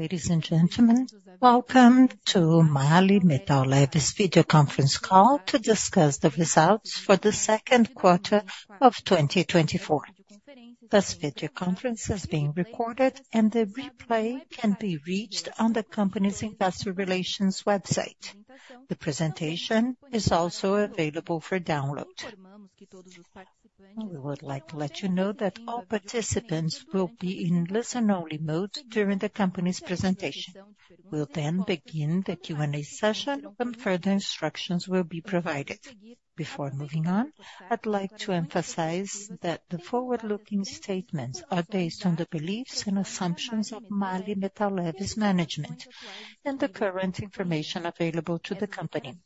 Ladies and gentlemen, welcome to MAHLE Metal Leve's video conference call to discuss the results for the second quarter of 2024. This video conference is being recorded, and the replay can be reached on the company's investor relations website. The presentation is also available for download. We would like to let you know that all participants will be in listen-only mode during the company's presentation. We'll then begin the Q&A session, when further instructions will be provided. Before moving on, I'd like to emphasize that the forward-looking statements are based on the beliefs and assumptions of MAHLE Metal Leve management and the current information available to the company.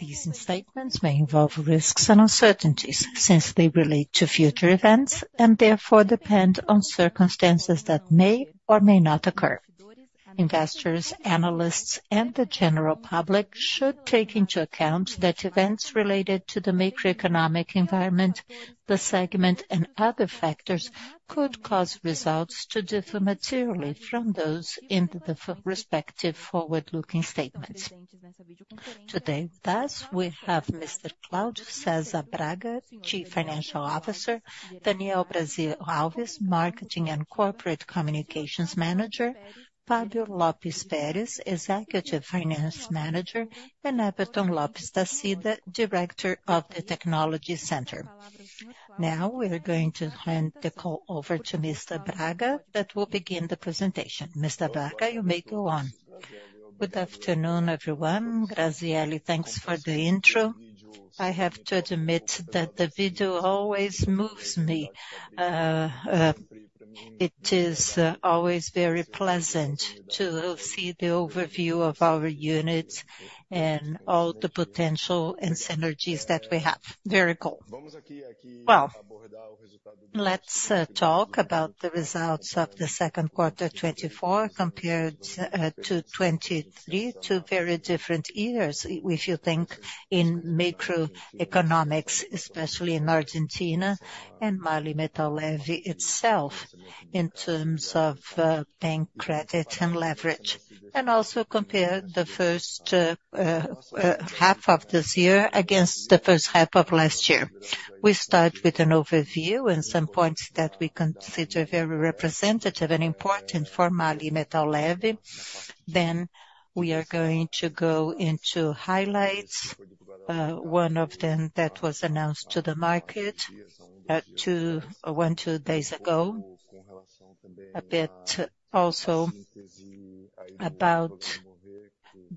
These statements may involve risks and uncertainties, since they relate to future events, and therefore, depend on circumstances that may or may not occur. Investors, analysts, and the general public should take into account that events related to the macroeconomic environment, the segment, and other factors could cause results to differ materially from those in the forward-looking respective statements. Today, thus, we have Mr. Cláudio César Braga, Chief Financial Officer, Daniel Brasil Alves, Marketing and Corporate Communications Manager, Fábio Lopes Peres, Executive Finance Manager, and Everton Lopes, Director of the Technology Center. Now, we're going to hand the call over to Mr. Braga, that will begin the presentation. Mr. Braga, you may go on. Good afternoon, everyone. Graziele, thanks for the intro. I have to admit that the video always moves me. It is always very pleasant to see the overview of our units and all the potential and synergies that we have. Very cool! Well, let's talk about the results of the second quarter 2024 compared to 2023. Two very different years, if you think in macroeconomics, especially in Argentina and MAHLE Metal Leve itself, in terms of bank credit and leverage. And also compare the first half of this year against the first half of last year. We start with an overview and some points that we consider very representative and important for MAHLE Metal Leve. Then, we are going to go into highlights. One of them that was announced to the market one or two days ago. A bit also about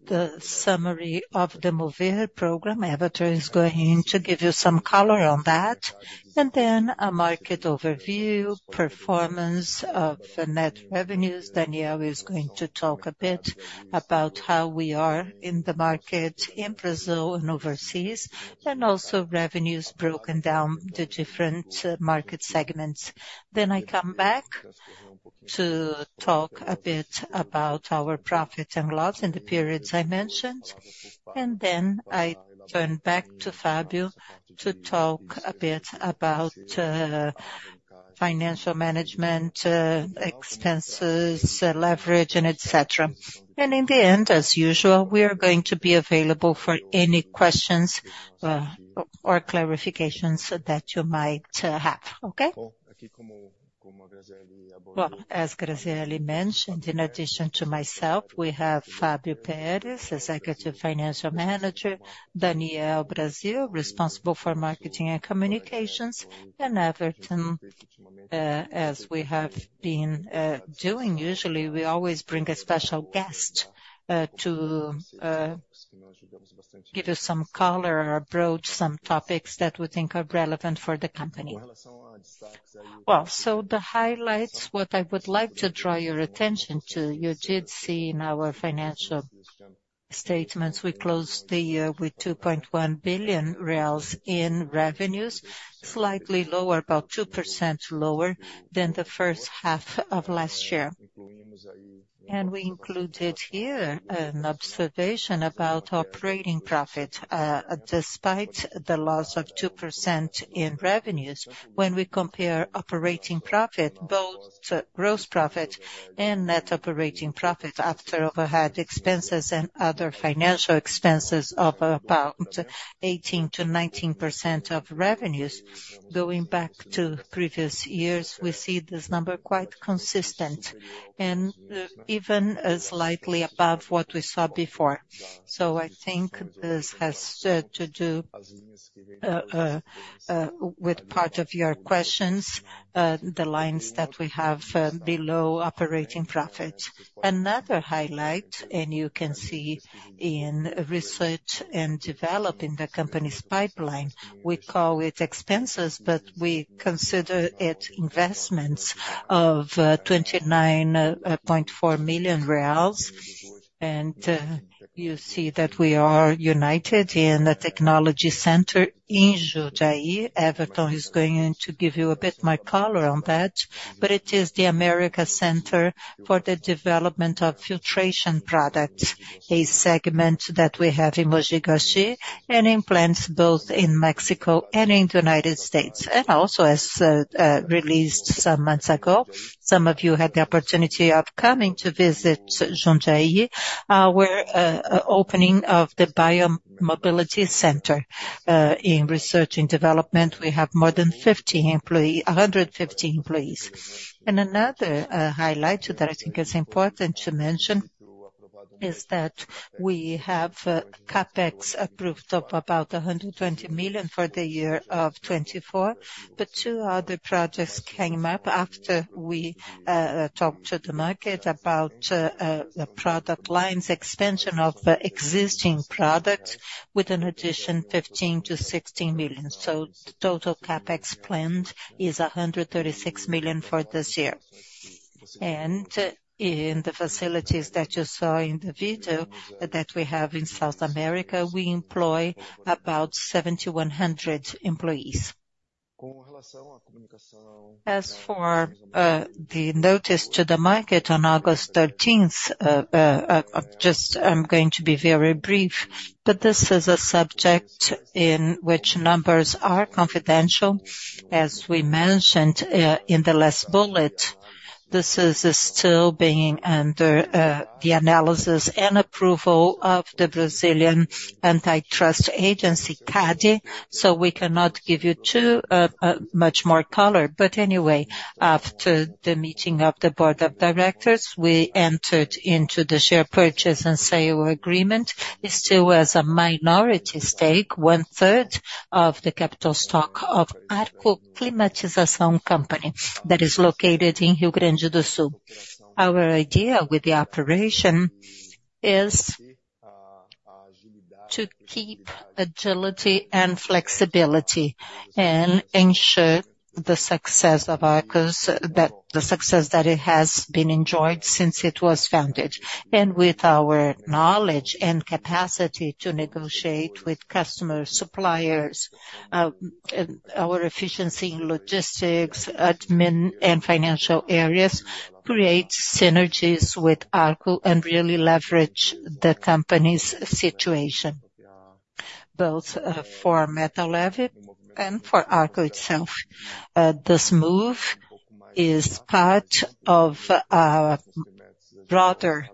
the summary of the MOVER program. Everton is going to give you some color on that. And then a market overview, performance of the net revenues. Daniel is going to talk a bit about how we are in the market, in Brazil and overseas, and also revenues broken down the different market segments. Then I come back to talk a bit about our profits and loss in the periods I mentioned, and then I turn back to Fábio to talk a bit about financial management, expenses, leverage, and et cetera. And in the end, as usual, we are going to be available for any questions or clarifications that you might have. Okay? Well, as Graziele mentioned, in addition to myself, we have Fábio Peres, Executive Finance Manager, Daniel Brasil, responsible for Marketing and Communications, and Everton. As we have been doing, usually, we always bring a special guest to give you some color or broach some topics that we think are relevant for the company. Well, so the highlights, what I would like to draw your attention to, you did see in our financial statements, we closed the year with 2.1 billion reais in revenues, slightly lower, about 2% lower than the first half of last year. And we included here an observation about operating profit. Despite the loss of 2% in revenues, when we compare operating profit, both gross profit and net operating profit, after overhead expenses and other financial expenses of about 18%-19% of revenues, going back to previous years, we see this number quite consistent and, even, slightly above what we saw before. So I think this has to do with part of your questions, the lines that we have below operating profit. Another highlight, and you can see in research and development in the company's pipeline, we call it expenses, but we consider it investments of 29.4 million reais. You see that we are united in the technology center in Jundiaí. Everton is going to give you a bit more color on that, but it is the Americas Center for the Development of Filtration Products, a segment that we have in Mogi das Cruzes, and in plants both in Mexico and in the United States. And also, as released some months ago, some of you had the opportunity of coming to visit Jundiaí, where opening of the Biomobility Center. In research and development, we have more than 150 employees. And another highlight that I think is important to mention... is that we have CapEx approved of about 120 million for the year of 2024. But two other projects came up after we talked to the market about the product lines expansion of the existing product, with an addition 15-16 million. So the total CapEx planned is 136 million for this year. And in the facilities that you saw in the video that we have in South America, we employ about 7,100 employees. As for the notice to the market on August 13, I've just. I'm going to be very brief, but this is a subject in which numbers are confidential. As we mentioned, in the last bullet, this is still being under the analysis and approval of the Brazilian Antitrust Agency, CADE, so we cannot give you too much more color. But anyway, after the meeting of the board of directors, we entered into the share purchase and sale agreement. It still was a minority stake, one-third of the capital stock of Arco Climatização company that is located in Rio Grande do Sul. Our idea with the operation is to keep agility and flexibility and ensure the success of Arco's the success that it has been enjoyed since it was founded. And with our knowledge and capacity to negotiate with customer, suppliers, and our efficiency in logistics, admin, and financial areas, create synergies with Arco and really leverage the company's situation, both for MAHLE Metal Leve and for Arco itself. This move is part of a broader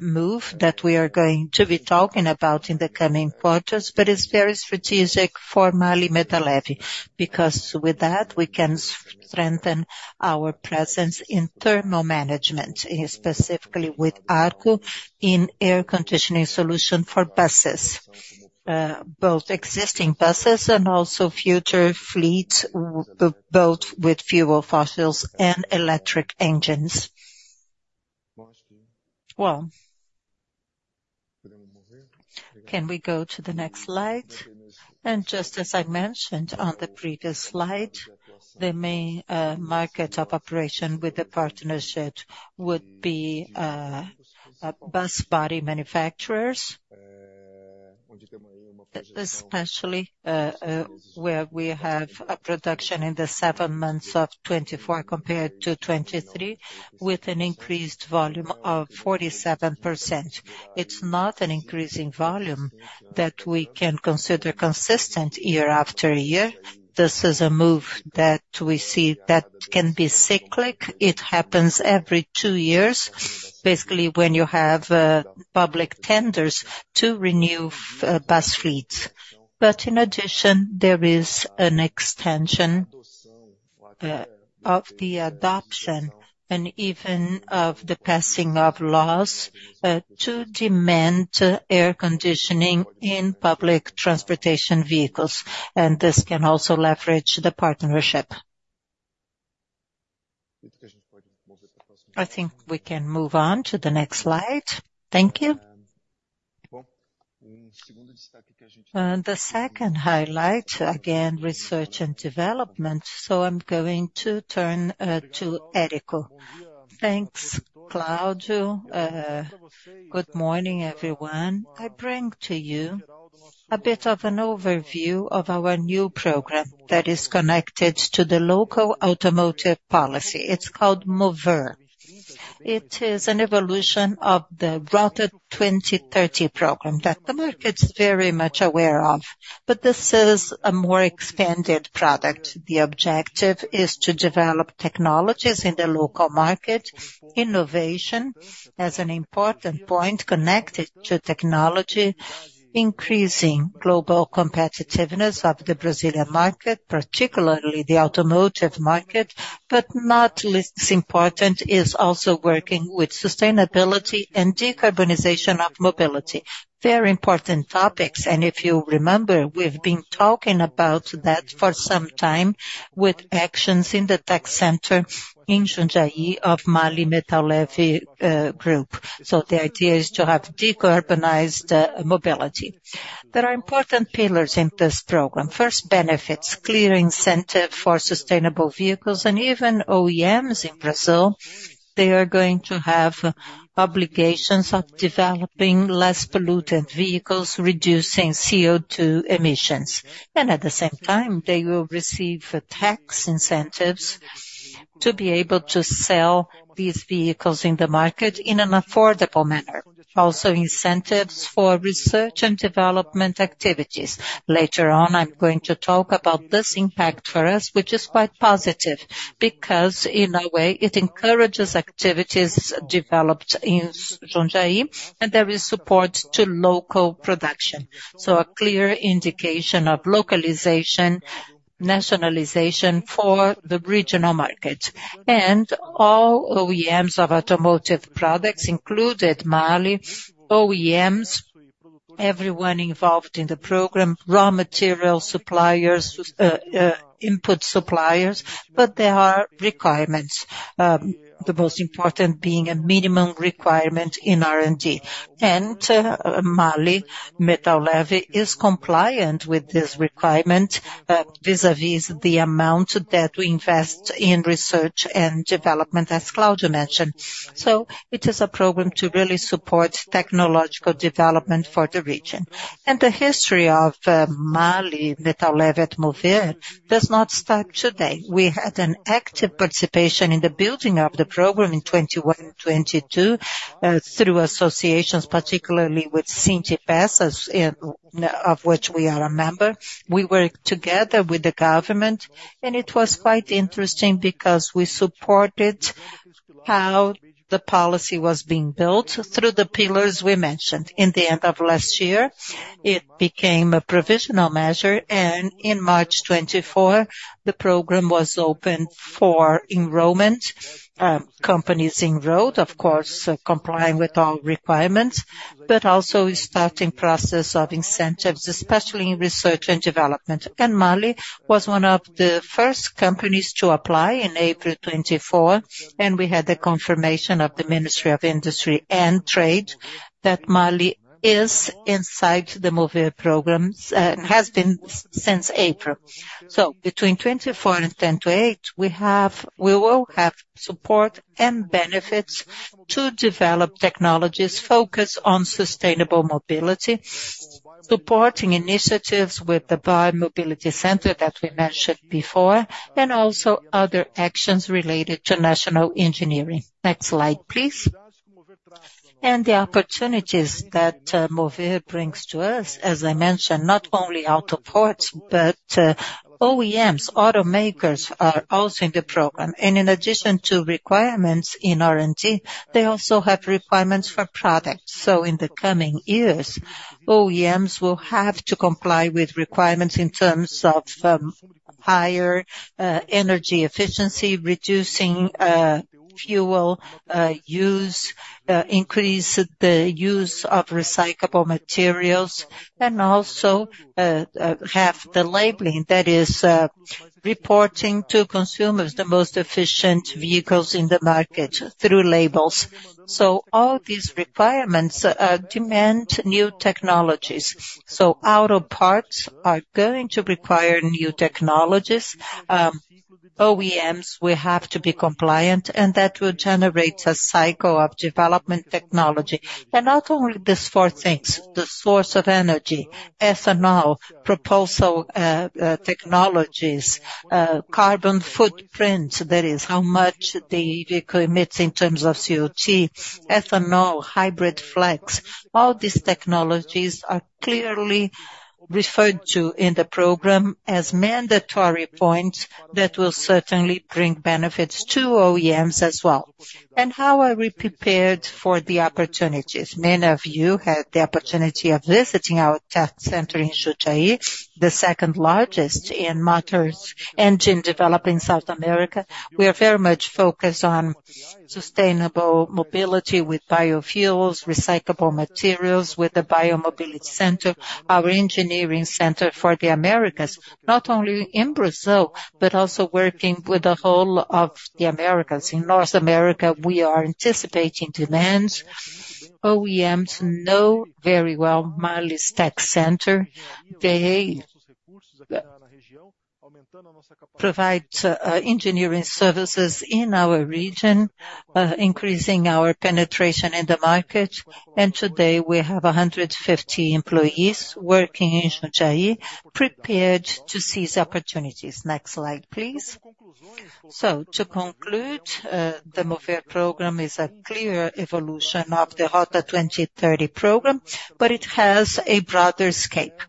move that we are going to be talking about in the coming quarters, but it's very strategic for MAHLE Metal Leve, because with that, we can strengthen our presence in thermal management, specifically with Arco, in air conditioning solution for buses, both existing buses and also future fleets, both with fuel fossils and electric engines. Well, can we go to the next slide? Just as I mentioned on the previous slide, the main market of operation with the partnership would be bus body manufacturers, especially, where we have a production in the 7 months of 2024 compared to 2023, with an increased volume of 47%. It's not an increasing volume that we can consider consistent year after year. This is a move that we see that can be cyclic. It happens every two years, basically, when you have public tenders to renew bus fleets. But in addition, there is an extension of the adoption and even of the passing of laws to demand air conditioning in public transportation vehicles, and this can also leverage the partnership. I think we can move on to the next slide. Thank you. The second highlight, again, research and development, so I'm going to turn to Everton. Thanks, Cláudio. Good morning, everyone. I bring to you a bit of an overview of our new program that is connected to the local automotive policy. It's called MOVER. It is an evolution of the Rota 2030 program that the market's very much aware of, but this is a more expanded product. The objective is to develop technologies in the local market, innovation as an important point connected to technology, increasing global competitiveness of the Brazilian market, particularly the automotive market, but not less important, is also working with sustainability and decarbonization of mobility. Very important topics, and if you remember, we've been talking about that for some time with actions in the tech center in Jundiaí of MAHLE Metal Leve Group. So the idea is to have decarbonized mobility. There are important pillars in this program. First, benefits, clear incentive for sustainable vehicles and even OEMs in Brazil, they are going to have obligations of developing less polluted vehicles, reducing CO2 emissions. And at the same time, they will receive tax incentives to be able to sell these vehicles in the market in an affordable manner. Also, incentives for research and development activities. Later on, I'm going to talk about this impact for us, which is quite positive, because in a way, it encourages activities developed in Jundiaí, and there is support to local production. So a clear indication of localization nationalization for the regional market. And all OEMs of automotive products included MAHLE OEMs, everyone involved in the program, raw material suppliers, input suppliers, but there are requirements, the most important being a minimum requirement in R&D. And, MAHLE Metal Leve is compliant with this requirement, vis-à-vis the amount that we invest in research and development, as Cláudio mentioned. So it is a program to really support technological development for the region. And the history of, MAHLE Metal Leve at MOVER does not start today. We had an active participation in the building of the program in 2021, 2022, through associations, particularly with Sindipeças, of which we are a member. We work together with the government, and it was quite interesting because we supported how the policy was being built through the pillars we mentioned. In the end of last year, it became a provisional measure, and in March 2024, the program was open for enrollment. Companies enrolled, of course, complying with all requirements, but also starting process of incentives, especially in research and development. And MAHLE was one of the first companies to apply in April 2024, and we had the confirmation of the Ministry of Industry and Trade that MAHLE is inside the MOVER programs, has been since April. Between 2024 and 2028, we will have support and benefits to develop technologies, focus on sustainable mobility, supporting initiatives with the Biomobility Center that we mentioned before, and also other actions related to national engineering. Next slide, please. The opportunities that MOVER brings to us, as I mentioned, not only auto parts, but OEMs, automakers are also in the program. In addition to requirements in R&D, they also have requirements for products. So in the coming years, OEMs will have to comply with requirements in terms of higher energy efficiency, reducing fuel use, increase the use of recyclable materials, and also have the labeling, that is, reporting to consumers the most efficient vehicles in the market through labels. So all these requirements demand new technologies. So auto parts are going to require new technologies. OEMs, we have to be compliant, and that will generate a cycle of development technology. Not only these four things, the source of energy, ethanol, propulsion technologies, carbon footprint, that is how much the vehicle emits in terms of CO2, ethanol, hybrid flex. All these technologies are clearly referred to in the program as mandatory points that will certainly bring benefits to OEMs as well. How are we prepared for the opportunities? Many of you had the opportunity of visiting our tech center in Jundiaí, the second largest in motors-engine development in South America. We are very much focused on sustainable mobility with biofuels, recyclable materials, with the Biomobility Center, our engineering center for the Americas, not only in Brazil, but also working with the whole of the Americas. In North America, we are anticipating demands. OEMs know very well MAHLE's tech center. They provide engineering services in our region, increasing our penetration in the market, and today we have 150 employees working in Jundiaí, prepared to seize opportunities. Next slide, please. So to conclude, the MOVER program is a clear evolution of the Rota 2030 program, but it has a broader scope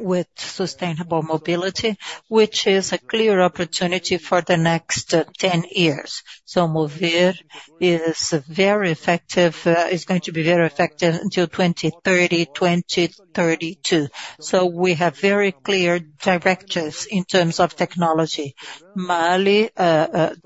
with sustainable mobility, which is a clear opportunity for the next 10 years. So MOVER is very effective, is going to be very effective until 2030, 2032. So we have very clear directives in terms of technology. MAHLE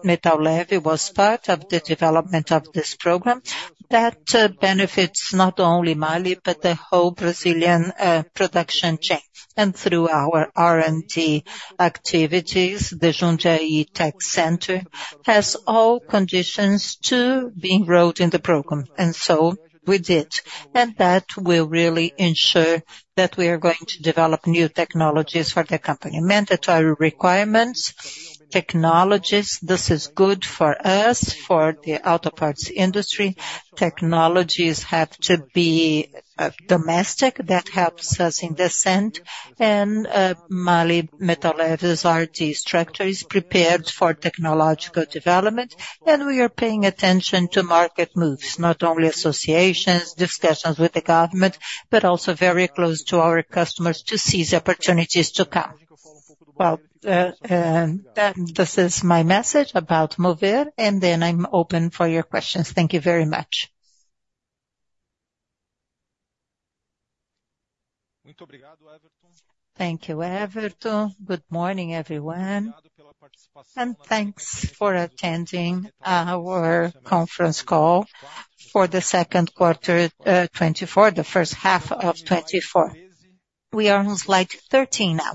Metal Leve was part of the development of this program. That benefits not only MAHLE, but the whole Brazilian production chain. And through our R&D activities, the Jundiaí Tech Center has all conditions to be enrolled in the program. And so we did. And that will really ensure that we are going to develop new technologies for the company. Mandatory requirements, technologies, this is good for us, for the auto parts industry. Technologies have to be domestic. That helps us in the sense. And MAHLE Metal Leve's R&D structure is prepared for technological development, and we are paying attention to market moves, not only associations, discussions with the government, but also very close to our customers to seize opportunities to come. Well, this is my message about MOVER, and then I'm open for your questions. Thank you very much. Muito obrigado, Everton. Thank you, Everton. Good morning, everyone, and thanks for attending our conference call for the second quarter 2024, the first half of 2024. We are almost like 13 now,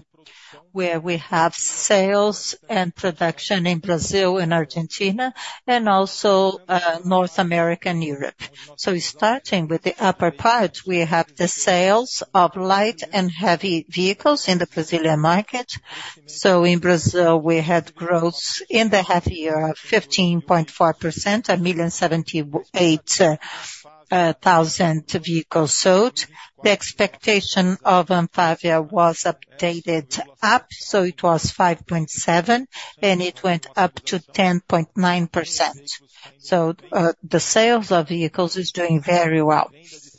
where we have sales and production in Brazil and Argentina, and also, North America and Europe. So starting with the upper part, we have the sales of light and heavy vehicles in the Brazilian market. So in Brazil, we had growth in the half year of 15.4%, 1,078,000 vehicles sold. The expectation of Anfavea was updated up, so it was 5.7, and it went up to 10.9%. So, the sales of vehicles is doing very well.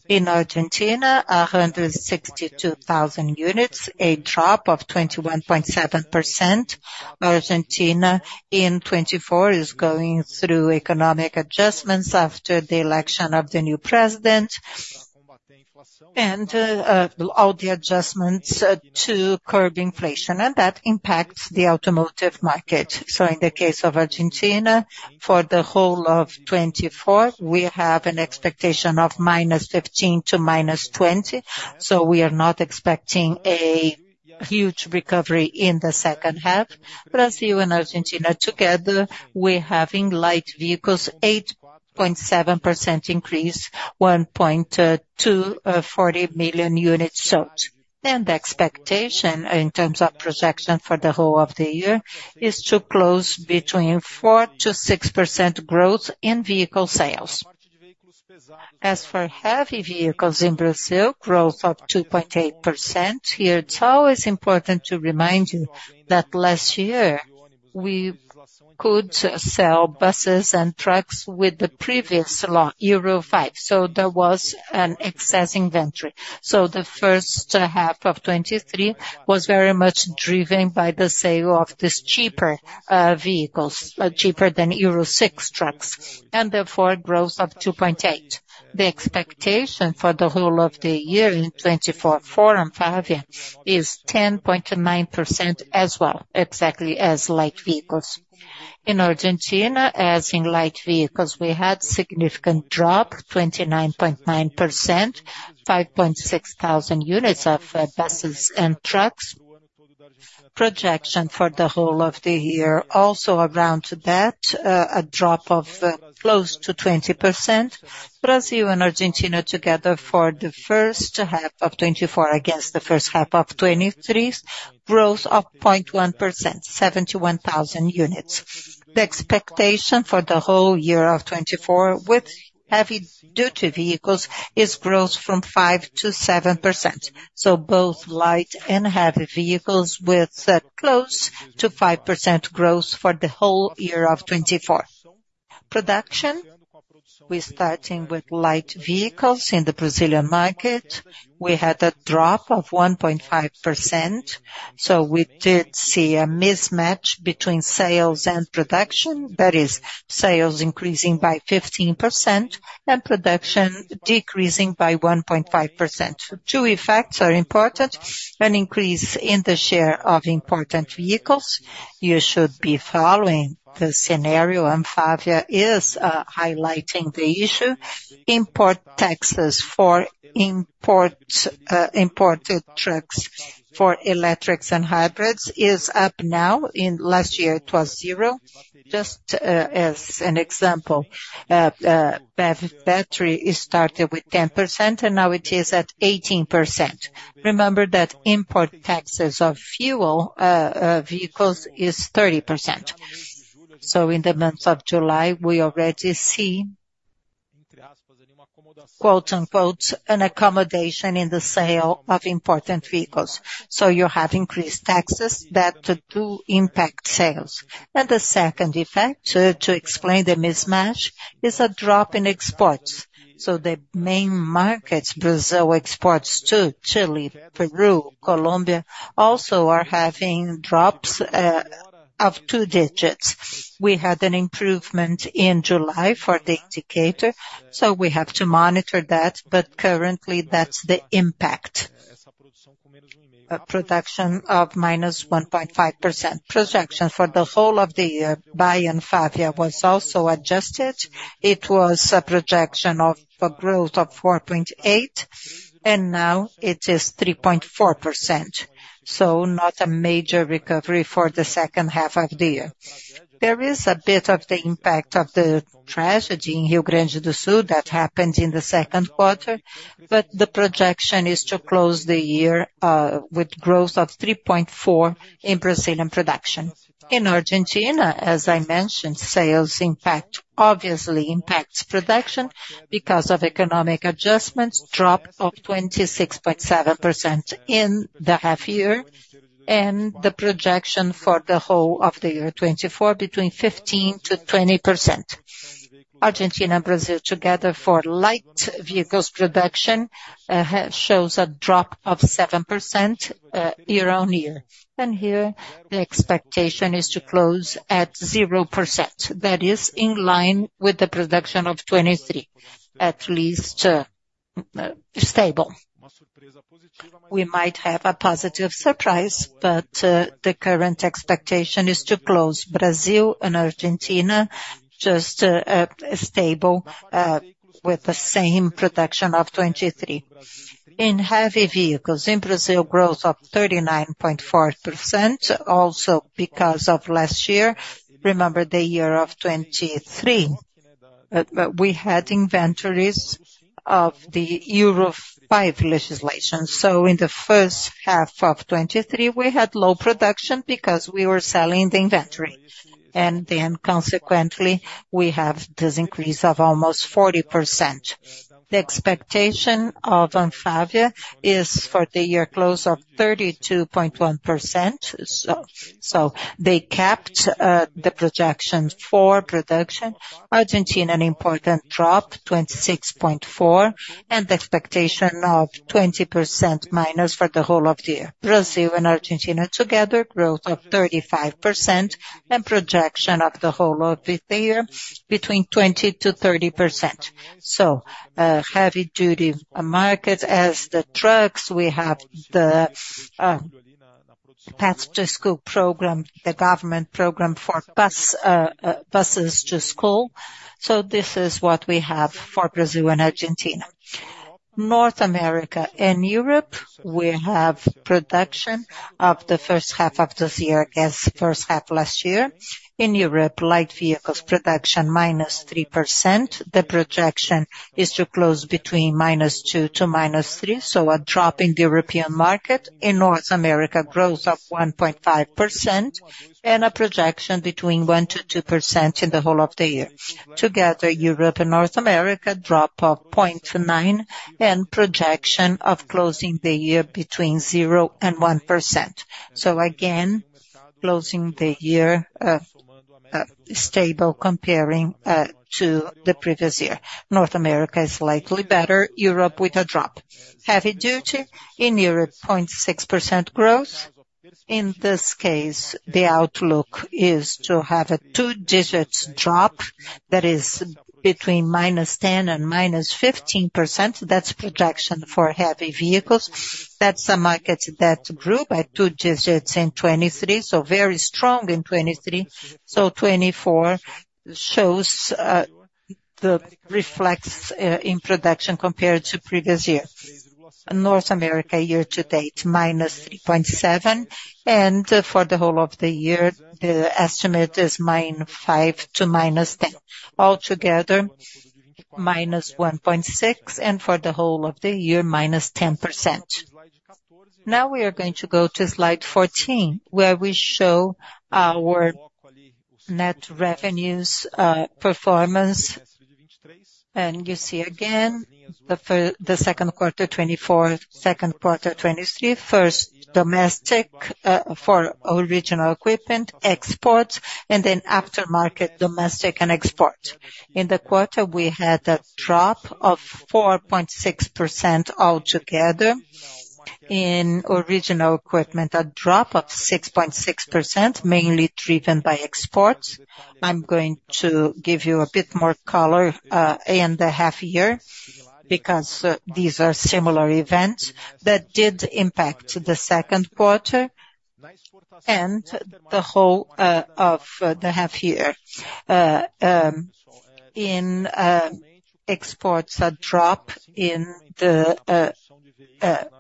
In Argentina, 162,000 units, a drop of 21.7%. Argentina in 2024 is going through economic adjustments after the election of the new president. And, all the adjustments, to curb inflation, and that impacts the automotive market. In the case of Argentina, for the whole of 2024, we have an expectation of -15% to -20%, so we are not expecting a huge recovery in the second half. Brazil and Argentina together, we're having light vehicles, 8.7% increase, 1.240 million units sold. Then the expectation in terms of projection for the whole of the year is to close between 4%-6% growth in vehicle sales. As for heavy vehicles in Brazil, growth of 2.8%. Here, it's always important to remind you that last year we could sell buses and trucks with the previous law, Euro V, so there was an excess inventory. So the first half of 2023 was very much driven by the sale of these cheaper vehicles cheaper than Euro VI trucks, and therefore a growth of 2.8. The expectation for the whole of the year in 2024, for Anfavea, is 10.9% as well, exactly as light vehicles. In Argentina, as in light vehicles, we had significant drop, 29.9%, 5,600 units of buses and trucks. Projection for the whole of the year, also around that, a drop of close to 20%. Brazil and Argentina together for the first half of 2024 against the first half of 2023's, growth of 0.1%, 71,000 units. The expectation for the whole year of 2024, with heavy-duty vehicles, is growth from 5%-7%. So both light and heavy vehicles with close to 5% growth for the whole year of 2024. Production, we're starting with light vehicles in the Brazilian market. We had a drop of 1.5%, so we did see a mismatch between sales and production. That is, sales increasing by 15% and production decreasing by 1.5%. Two effects are important: an increase in the share of imported vehicles. You should be following the scenario, Anfavea is highlighting the issue. Import taxes for imported trucks for electrics and hybrids is up now. In last year, it was zero. Just as an example, battery, it started with 10% and now it is at 18%. Remember that import taxes of fuel vehicles is 30%. So in the month of July, we already see, quote, unquote, "an accommodation in the sale of imported vehicles." So you have increased taxes that do impact sales. And the second effect, to explain the mismatch, is a drop in exports. So the main markets Brazil exports to, Chile, Peru, Colombia, also are having drops of two digits. We had an improvement in July for the indicator, so we have to monitor that, but currently, that's the impact. A production of minus 1.5%. Projection for the whole of the year by Anfavea was also adjusted. It was a projection of a growth of 4.8, and now it is 3.4%. So not a major recovery for the second half of the year. There is a bit of the impact of the tragedy in Rio Grande do Sul that happened in the second quarter, but the projection is to close the year with growth of 3.4 in Brazilian production. In Argentina, as I mentioned, sales impact obviously impacts production because of economic adjustments, drop of 26.7% in the half year, and the projection for the whole of the year 2024, between 15%-20%. Argentina and Brazil together for light vehicles production shows a drop of 7% year-on-year. And here, the expectation is to close at 0%. That is in line with the production of 2023, at least, stable. We might have a positive surprise, but the current expectation is to close Brazil and Argentina just stable with the same production of 2023. In heavy vehicles, in Brazil, growth of 39.4%, also because of last year. Remember the year of 2023, but we had inventories of the Euro V legislation. So in the first half of 2023, we had low production because we were selling the inventory, and then consequently, we have this increase of almost 40%. The expectation of Anfavea is for the year close of 32.1%, so they kept the projections for production. Argentina, an important drop, -26.4%, and the expectation of -20% for the whole of the year. Brazil and Argentina together, growth of 35% and projection of the whole of the year between 20%-30%. So, heavy duty market as the trucks, we have the Path to School program, the government program for buses to school. So this is what we have for Brazil and Argentina. North America and Europe, we have production of the first half of this year, as first half last year. In Europe, light vehicles production -3%. The projection is to close between -2% to -3%, so a drop in the European market. In North America, growth of 1.5% and a projection between 1%-2% in the whole of the year. Together, Europe and North America, drop of 0.9% and projection of closing the year between 0%-1%. So again, closing the year, stable comparing, to the previous year. North America is slightly better, Europe with a drop. Heavy-duty in Europe, 0.6% growth. In this case, the outlook is to have a two-digit drop, that is between -10% and -15%. That's projection for heavy vehicles. That's a market that grew by two digits in 2023, so very strong in 2023. So 2024 shows, the reflex, in production compared to previous years. North America, year to date, -3.7%, and for the whole of the year, the estimate is -5% to -10%. Altogether, -1.6%, and for the whole of the year, -10%. Now we are going to go to slide 14, where we show our net revenues, performance. And you see again, the second quarter 2024, second quarter 2023, first domestic, for original equipment, exports, and then aftermarket, domestic and export. In the quarter, we had a drop of 4.6% altogether. In original equipment, a drop of 6.6%, mainly driven by exports. I'm going to give you a bit more color in the half year, because these are similar events that did impact the second quarter and the whole of the half year. In exports, a drop in the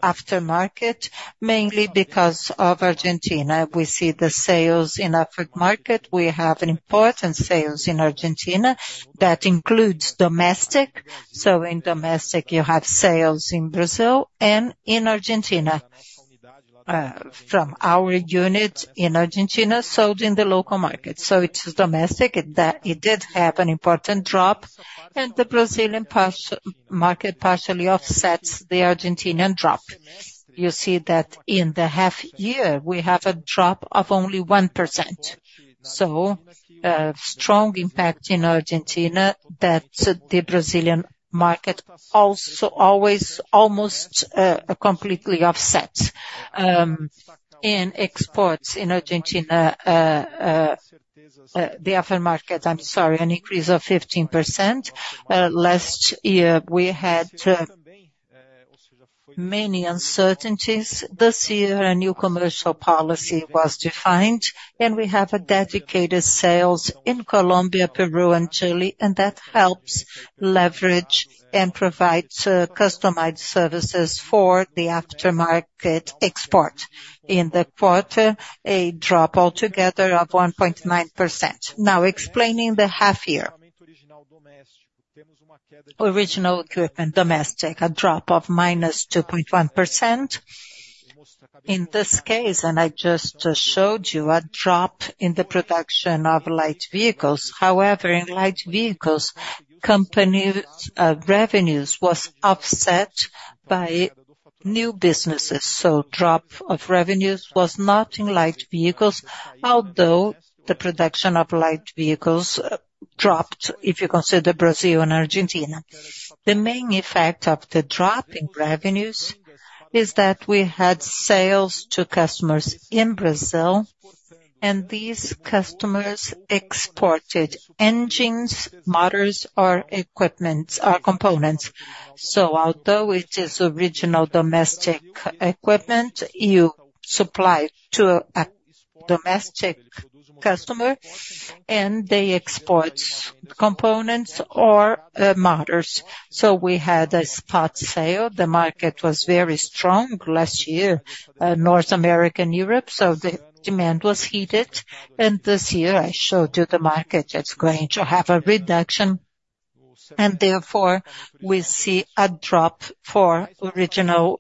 aftermarket, mainly because of Argentina. We see the sales in aftermarket. We have an important sales in Argentina that includes domestic. So in domestic, you have sales in Brazil and in Argentina from our unit in Argentina, sold in the local market. So it is domestic, it did have an important drop, and the Brazilian market partially offsets the Argentinian drop. You see that in the half year, we have a drop of only 1%. So a strong impact in Argentina, that the Brazilian market also always, almost completely offset. In exports in Argentina, the aftermarket, I'm sorry, an increase of 15%. Last year, we had many uncertainties. This year, a new commercial policy was defined, and we have a dedicated sales in Colombia, Peru and Chile, and that helps leverage and provide customized services for the aftermarket export. In the quarter, a drop altogether of 1.9%. Now, explaining the half year. Original equipment domestic, a drop of -2.1%. In this case, and I just showed you, a drop in the production of light vehicles. However, in light vehicles, company revenues was offset by new businesses. So drop of revenues was not in light vehicles, although the production of light vehicles dropped, if you consider Brazil and Argentina. The main effect of the drop in revenues is that we had sales to customers in Brazil, and these customers exported engines, motors or equipment or components. So although it is original domestic equipment, you supply to a domestic customer, and they export components or motors. So we had a spot sale. The market was very strong last year, North America and Europe, so the demand was heated. This year, I showed you the market. It's going to have a reduction, and therefore, we see a drop for original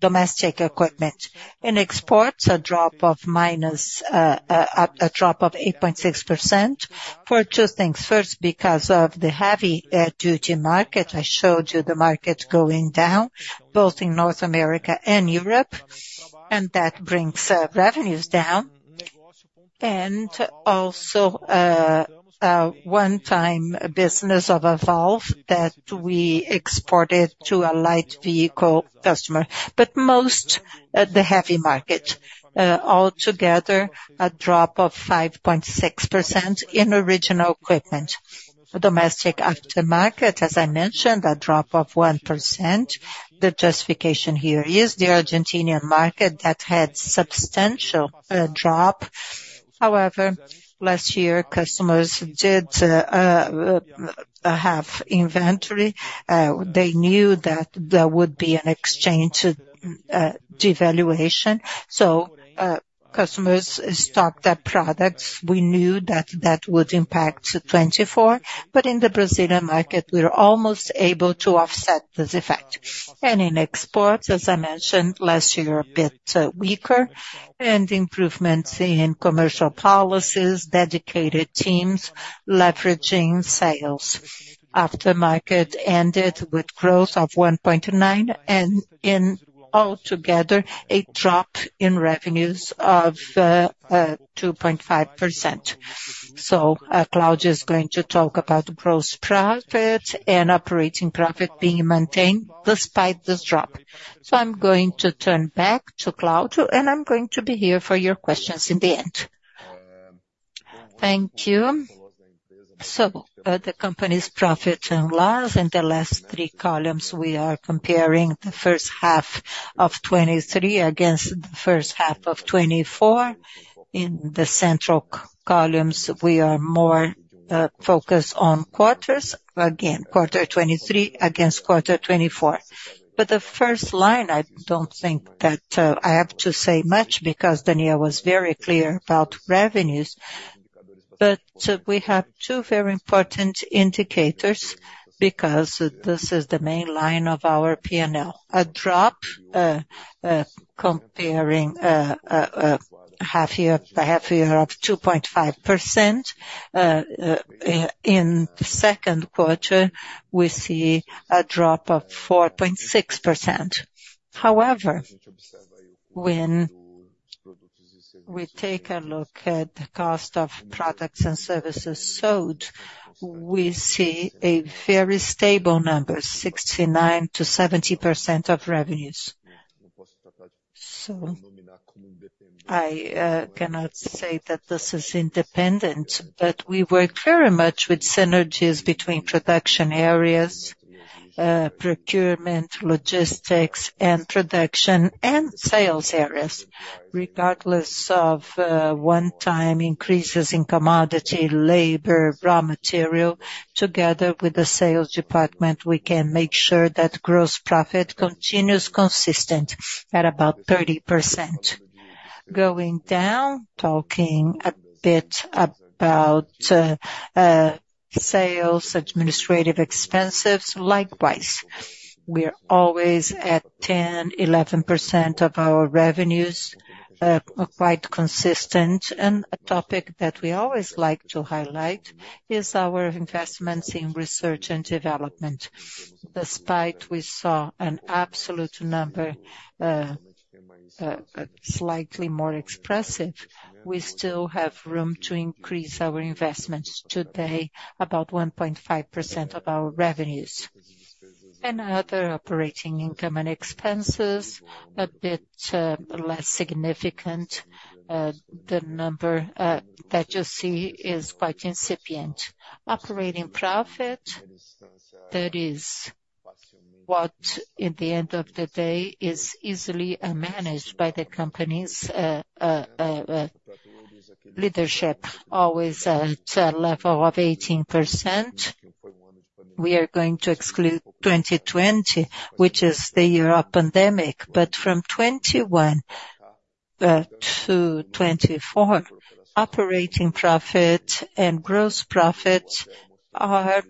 domestic equipment. In exports, a drop of -8.6% for two things. First, because of the heavy duty market. I showed you the market going down, both in North America and Europe, and that brings revenues down. And also, a one-time business of a valve that we exported to a light vehicle customer. But most, the heavy market, all together, a drop of 5.6% in original equipment. The domestic aftermarket, as I mentioned, a drop of 1%. The justification here is the Argentinian market that had substantial drop. However, last year, customers did have inventory. They knew that there would be an exchange to devaluation, so customers stocked up products. We knew that that would impact to 2024, but in the Brazilian market, we're almost able to offset this effect. And in exports, as I mentioned, last year, a bit weaker, and improvements in commercial policies, dedicated teams, leveraging sales. Aftermarket ended with growth of 1.9, and altogether, a drop in revenues of 2.5%. So, Cláudio is going to talk about the gross profit and operating profit being maintained despite this drop. So I'm going to turn back to Cláudio, and I'm going to be here for your questions in the end. Thank you. So, the company's profit and loss in the last three columns, we are comparing the first half of 2023 against the first half of 2024. In the central columns, we are more focused on quarters. Again, quarter 2023 against quarter 2024. But the first line, I don't think that I have to say much because Daniel was very clear about revenues. But we have two very important indicators because this is the main line of our P&L. A drop, comparing half year, a half year of 2.5%, in the second quarter, we see a drop of 4.6%. However, when we take a look at the cost of products and services sold, we see a very stable number, 69%-70% of revenues. So I cannot say that this is independent, but we work very much with synergies between production areas, procurement, logistics, and production, and sales areas. Regardless of, one-time increases in commodity, labor, raw material, together with the sales department, we can make sure that gross profit continues consistent at about 30%. Going down, talking a bit about sales, administrative expenses, likewise, we are always at 10%-11% of our revenues, are quite consistent, and a topic that we always like to highlight is our investments in research and development. Despite we saw an absolute number slightly more expressive, we still have room to increase our investments today, about 1.5% of our revenues. Other operating income and expenses, a bit less significant, the number that you see is quite incipient. Operating profit, that is what, at the end of the day, is easily managed by the company's leadership, always at a level of 18%. We are going to exclude 2020, which is the year of pandemic, but from 2021 to 2024, operating profit and gross profits are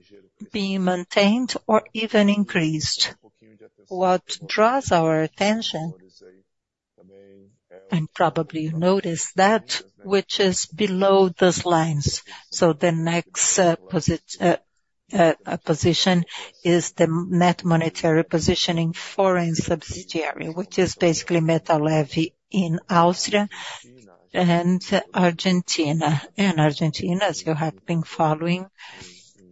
being maintained or even increased. What draws our attention, and probably you noticed that, which is below those lines. So the next position is the net monetary position in foreign subsidiary, which is basically Metal Leve in Austria and Argentina. And Argentina, as you have been following,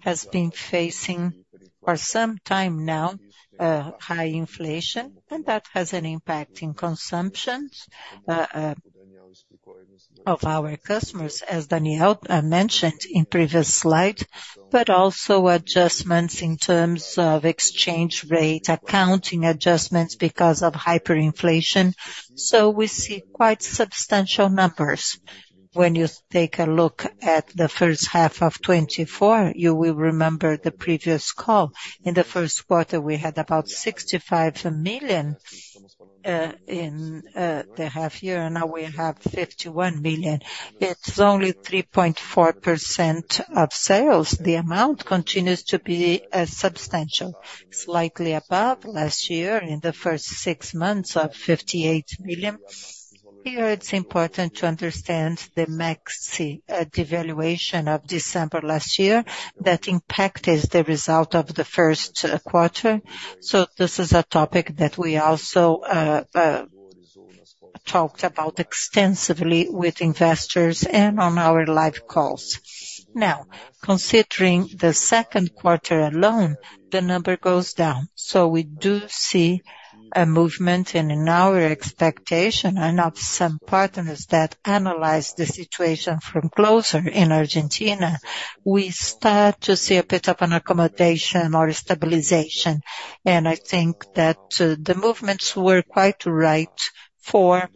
has been facing for some time now high inflation, and that has an impact in consumption of our customers, as Daniel mentioned in previous slide, but also adjustments in terms of exchange rate, accounting adjustments because of hyperinflation. So we see quite substantial numbers. When you take a look at the first half of 2024, you will remember the previous call. In the first quarter, we had about 65 million in the half year, and now we have 51 million. It's only 3.4% of sales. The amount continues to be substantial, slightly above last year in the first six months of 58 million. Here, it's important to understand the maxi devaluation of December last year. That impact is the result of the first quarter. So this is a topic that we also talked about extensively with investors and on our live calls. Now, considering the second quarter alone, the number goes down. So we do see a movement, and in our expectation and of some partners that analyze the situation from closer in Argentina, we start to see a bit of an accommodation or stabilization. I think that the movements were quite right for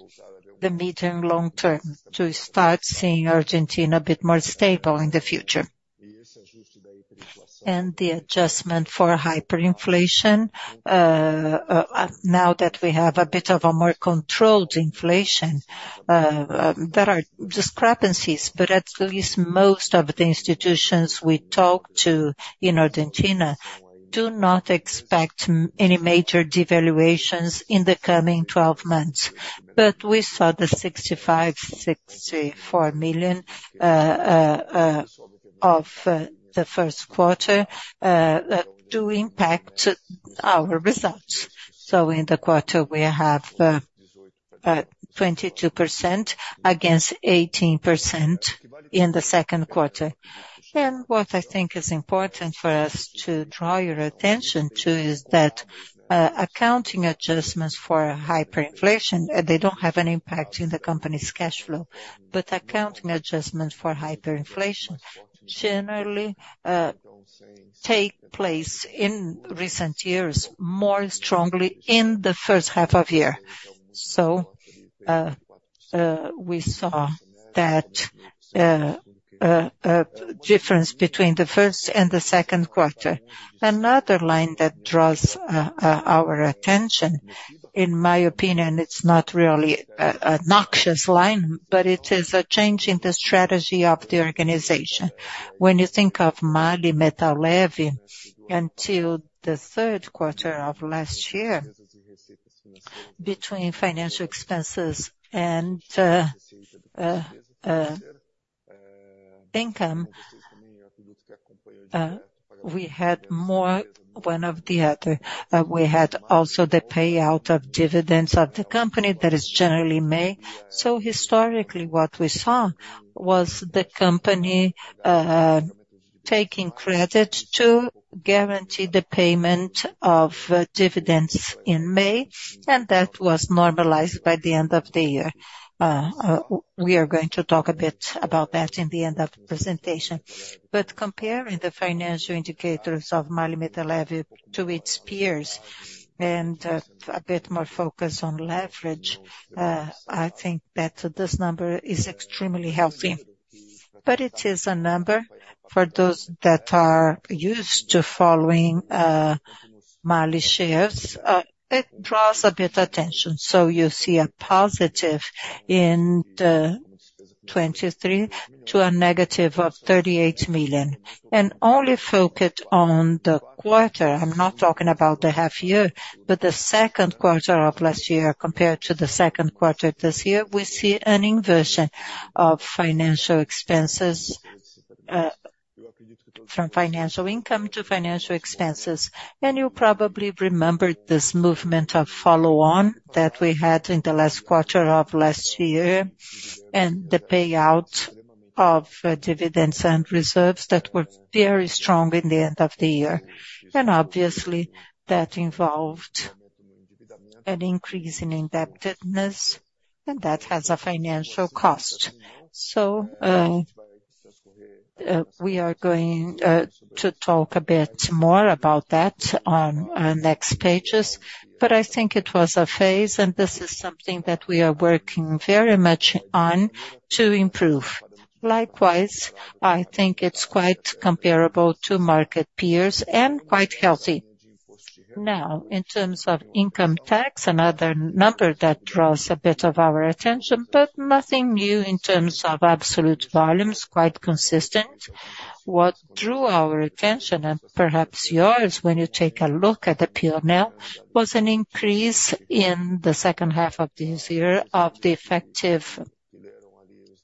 the medium long term, to start seeing Argentina a bit more stable in the future. And the adjustment for hyperinflation, now that we have a bit of a more controlled inflation, there are discrepancies, but at least most of the institutions we talk to in Argentina do not expect any major devaluations in the coming twelve months. But we saw the 65, 64 million of the first quarter to impact our results. So in the quarter, we have 22% against 18% in the second quarter. And what I think is important for us to draw your attention to is that accounting adjustments for hyperinflation, they don't have an impact in the company's cash flow. Accounting adjustments for hyperinflation generally take place in recent years, more strongly in the first half of year. So, we saw that difference between the first and the second quarter. Another line that draws our attention, in my opinion, it's not really a noxious line, but it is a change in the strategy of the organization. When you think of MAHLE Metal Leve until the third quarter of last year, between financial expenses and income, we had more one of the other. We had also the payout of dividends of the company that is generally made. So historically, what we saw was the company taking credit to guarantee the payment of dividends in May, and that was normalized by the end of the year. We are going to talk a bit about that in the end of the presentation. But comparing the financial indicators of MAHLE Metal Leve to its peers and, a bit more focused on leverage, I think that this number is extremely healthy. But it is a number for those that are used to following, MAHLE shares, it draws a bit attention. So you see a positive 23 million to a negative 38 million. And only focused on the quarter, I'm not talking about the half year, but the second quarter of last year compared to the second quarter this year, we see an inversion of financial expenses, from financial income to financial expenses. You probably remember this movement of follow on that we had in the last quarter of last year, and the payout of dividends and reserves that were very strong in the end of the year. Obviously, that involved an increase in indebtedness, and that has a financial cost. We are going to talk a bit more about that on next pages, but I think it was a phase, and this is something that we are working very much on to improve. Likewise, I think it's quite comparable to market peers and quite healthy. Now, in terms of income tax, another number that draws a bit of our attention, but nothing new in terms of absolute volumes, quite consistent. What drew our attention, and perhaps yours, when you take a look at the P&L, was an increase in the second half of this year of the effective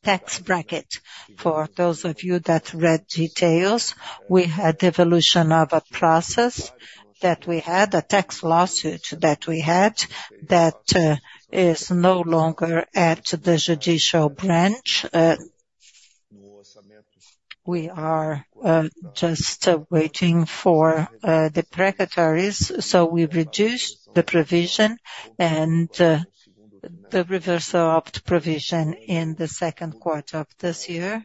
tax bracket. For those of you that read details, we had evolution of a process that we had, a tax lawsuit that we had, that is no longer at the judicial branch. We are just waiting for the precatories. So we reduced the provision and the reversal of the provision in the second quarter of this year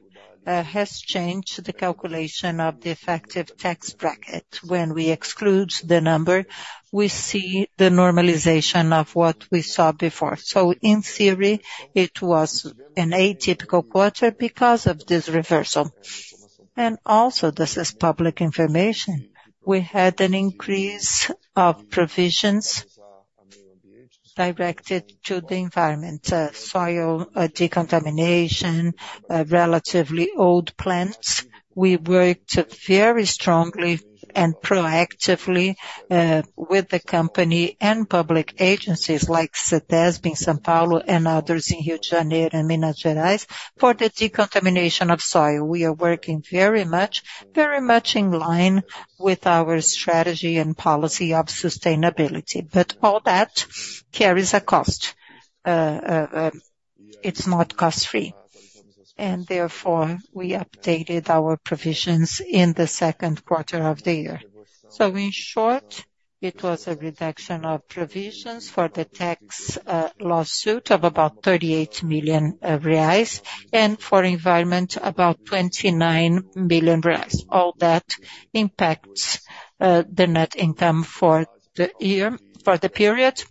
has changed the calculation of the effective tax bracket. When we exclude the number, we see the normalization of what we saw before. So in theory, it was an atypical quarter because of this reversal. And also, this is public information, we had an increase of provisions directed to the environment, soil decontamination, relatively old plants. We worked very strongly and proactively with the company and public agencies like CETESB in São Paulo and others in Rio de Janeiro and Minas Gerais, for the decontamination of soil. We are working very much, very much in line with our strategy and policy of sustainability. But all that carries a cost. It's not cost-free, and therefore, we updated our provisions in the second quarter of the year. So in short, it was a reduction of provisions for the tax lawsuit of about 38 million reais, and for environment, about 29 million reais. All that impacts the net income for the year, for the period.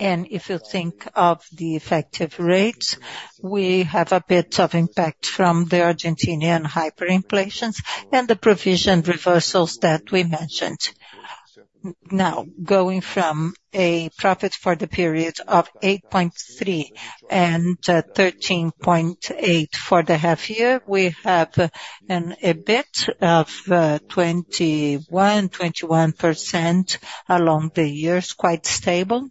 And if you think of the effective rates, we have a bit of impact from the Argentinian hyperinflations and the provision reversals that we mentioned. Now, going from a profit for the period of 8.3 million and 13.8 million for the half year, we have a bit of 21, 21% along the years, quite stable.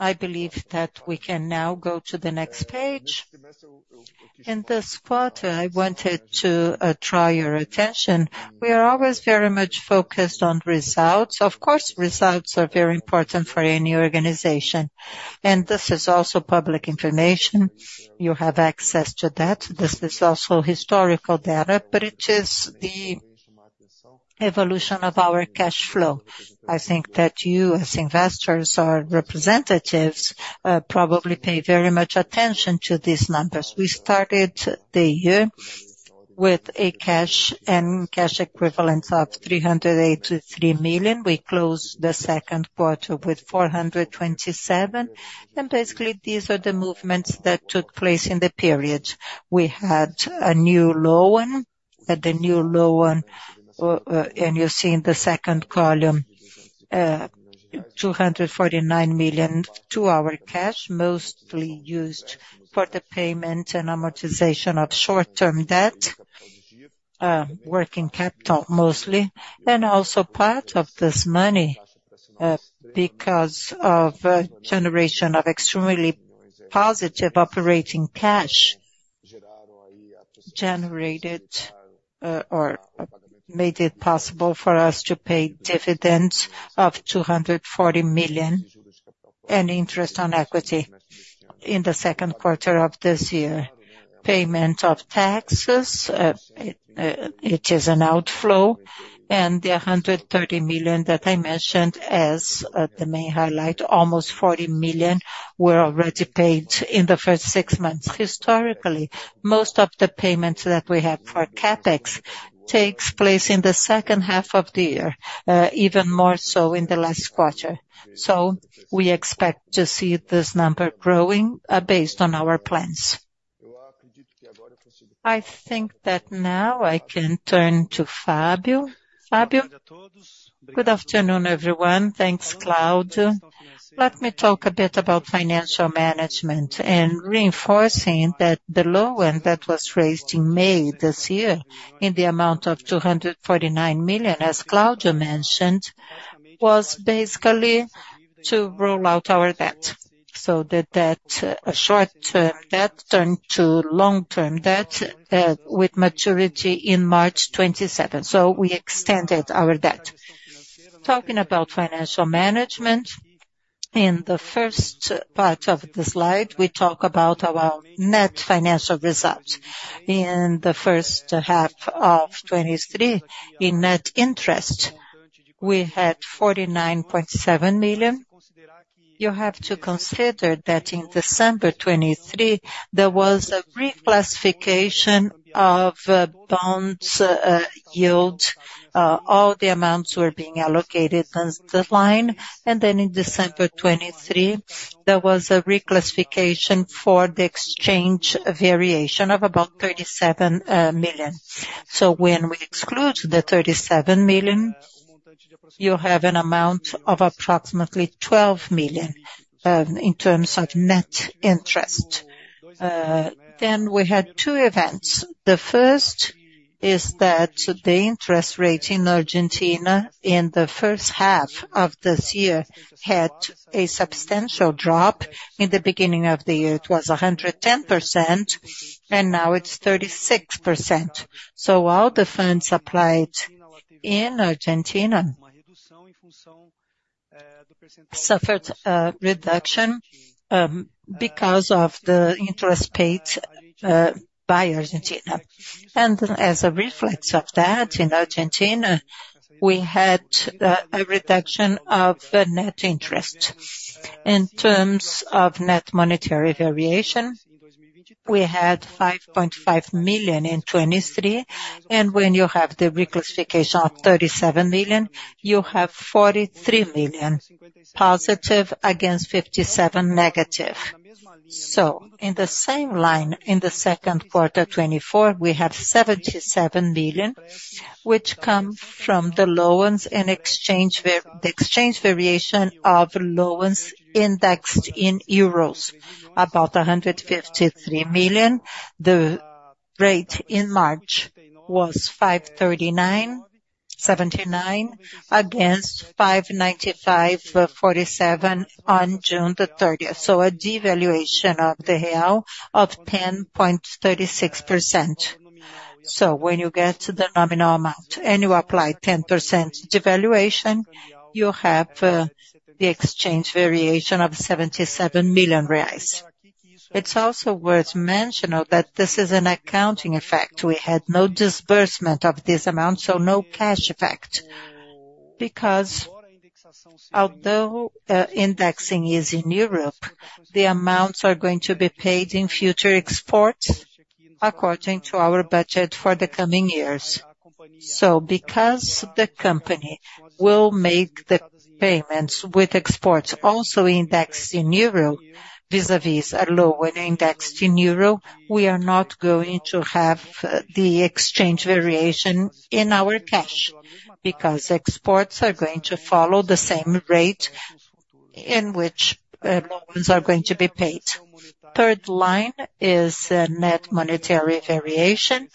I believe that we can now go to the next page. In this quarter, I wanted to draw your attention. We are always very much focused on results. Of course, results are very important for any organization, and this is also public information. You have access to that. This is also historical data, but it is the evolution of our cash flow. I think that you, as investors or representatives, probably pay very much attention to these numbers. We started the year with a cash and cash equivalent of 383 million. We closed the second quarter with 427 million. Basically, these are the movements that took place in the period. We had a new loan, and the new loan, and you see in the second column, 249 million to our cash, mostly used for the payment and amortization of short-term debt, working capital, mostly. And also part of this money, because of a generation of extremely positive operating cash, generated, or made it possible for us to pay dividends of 240 million and interest on equity in the second quarter of this year. Payment of taxes is an outflow, and the 130 million that I mentioned as the main highlight, almost 40 million were already paid in the first six months. Historically, most of the payments that we have for CapEx takes place in the second half of the year, even more so in the last quarter. So we expect to see this number growing, based on our plans. I think that now I can turn to Fábio. Fábio? Good afternoon, everyone. Thanks, Cláudio. Let me talk a bit about financial management and reinforcing that the loan that was raised in May this year in the amount of 249 million, as Cláudio mentioned, was basically to roll out our debt, so that short-term debt turned to long-term debt, with maturity in March 2027. So we extended our debt. Talking about financial management, in the first part of the slide, we talk about our net financial results. In the first half of 2023, in net interest, we had 49.7 million. You have to consider that in December 2023, there was a reclassification of bonds yield. All the amounts were being allocated as the line, and then in December 2023, there was a reclassification for the exchange variation of about 37 million. So when we exclude the 37 million, you have an amount of approximately 12 million in terms of net interest. Then we had two events. The first is that the interest rate in Argentina in the first half of this year had a substantial drop. In the beginning of the year, it was 110%, and now it's 36%. So all the funds applied in Argentina suffered reduction because of the interest paid by Argentina. And as a reflex of that, in Argentina, we had a reduction of the net interest. In terms of net monetary variation, we had 5.5 million in 2023, and when you have the reclassification of 37 million, you have 43 million positive against 57 million negative. So in the same line, in the second quarter 2024, we have 77 million, which come from the loans and exchange variation of loans indexed in euros, about 153 million. The rate in March was 5.3979 against 5.9547 on June 30. So a devaluation of the real of 10.36%. So when you get to the nominal amount and you apply 10% devaluation, you have the exchange variation of 77 million reais. It's also worth mentioning that this is an accounting effect. We had no disbursement of this amount, so no cash effect. Because although, indexing is in Europe, the amounts are going to be paid in future exports, according to our budget for the coming years. So because the company will make the payments with exports also indexed in euro, vis-à-vis a loan indexed in euro, we are not going to have, the exchange variation in our cash, because exports are going to follow the same rate in which, loans are going to be paid. Third line is, net monetary variation.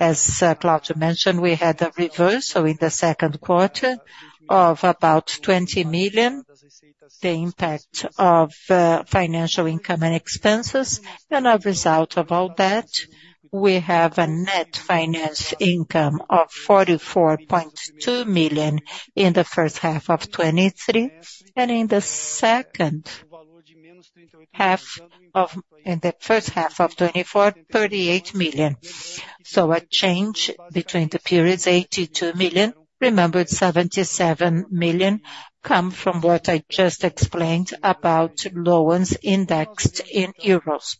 As, Cláudio mentioned, we had a reversal in the second quarter of about 20 million, the impact of, financial income and expenses. And a result of all that, we have a net finance income of 44.2 million in the first half of 2023, and in the second half of-- in the first half of 2024, 38 million. So a change between the periods, 82 million. Remember, 77 million come from what I just explained about loans indexed in euros,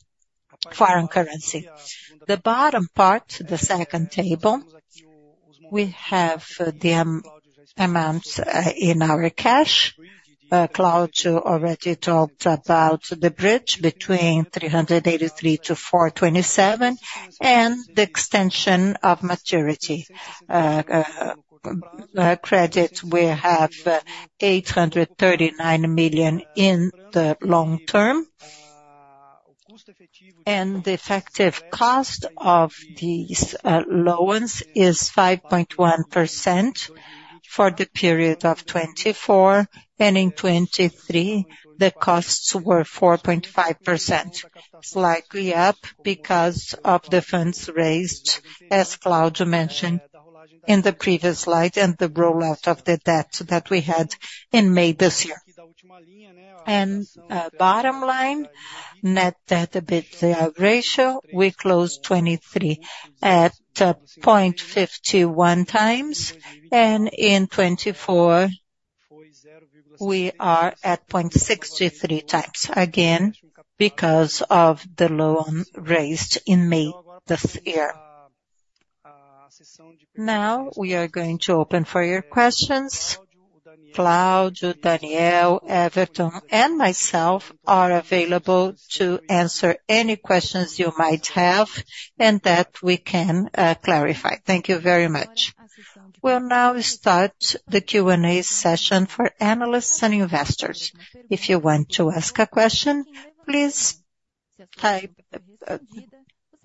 foreign currency. The bottom part, the second table, we have the amounts in our cash. Cláudio already talked about the bridge between 383 million to 427 million, and the extension of maturity. Credit, we have 839 million in the long term, and the effective cost of these loans is 5.1% for the period of 2024, and in 2023, the costs were 4.5%. Slightly up because of the funds raised, as Cláudio mentioned in the previous slide, and the rollout of the debt that we had in May this year. Bottom line, net debt to EBITDA ratio, we closed 2023 at 0.51x, and in 2024, we are at 0.63x. Again, because of the loan raised in May this year. Now, we are going to open for your questions. Cláudio, Daniel, Everton, and myself are available to answer any questions you might have and that we can clarify. Thank you very much. We'll now start the Q&A session for analysts and investors. If you want to ask a question, please type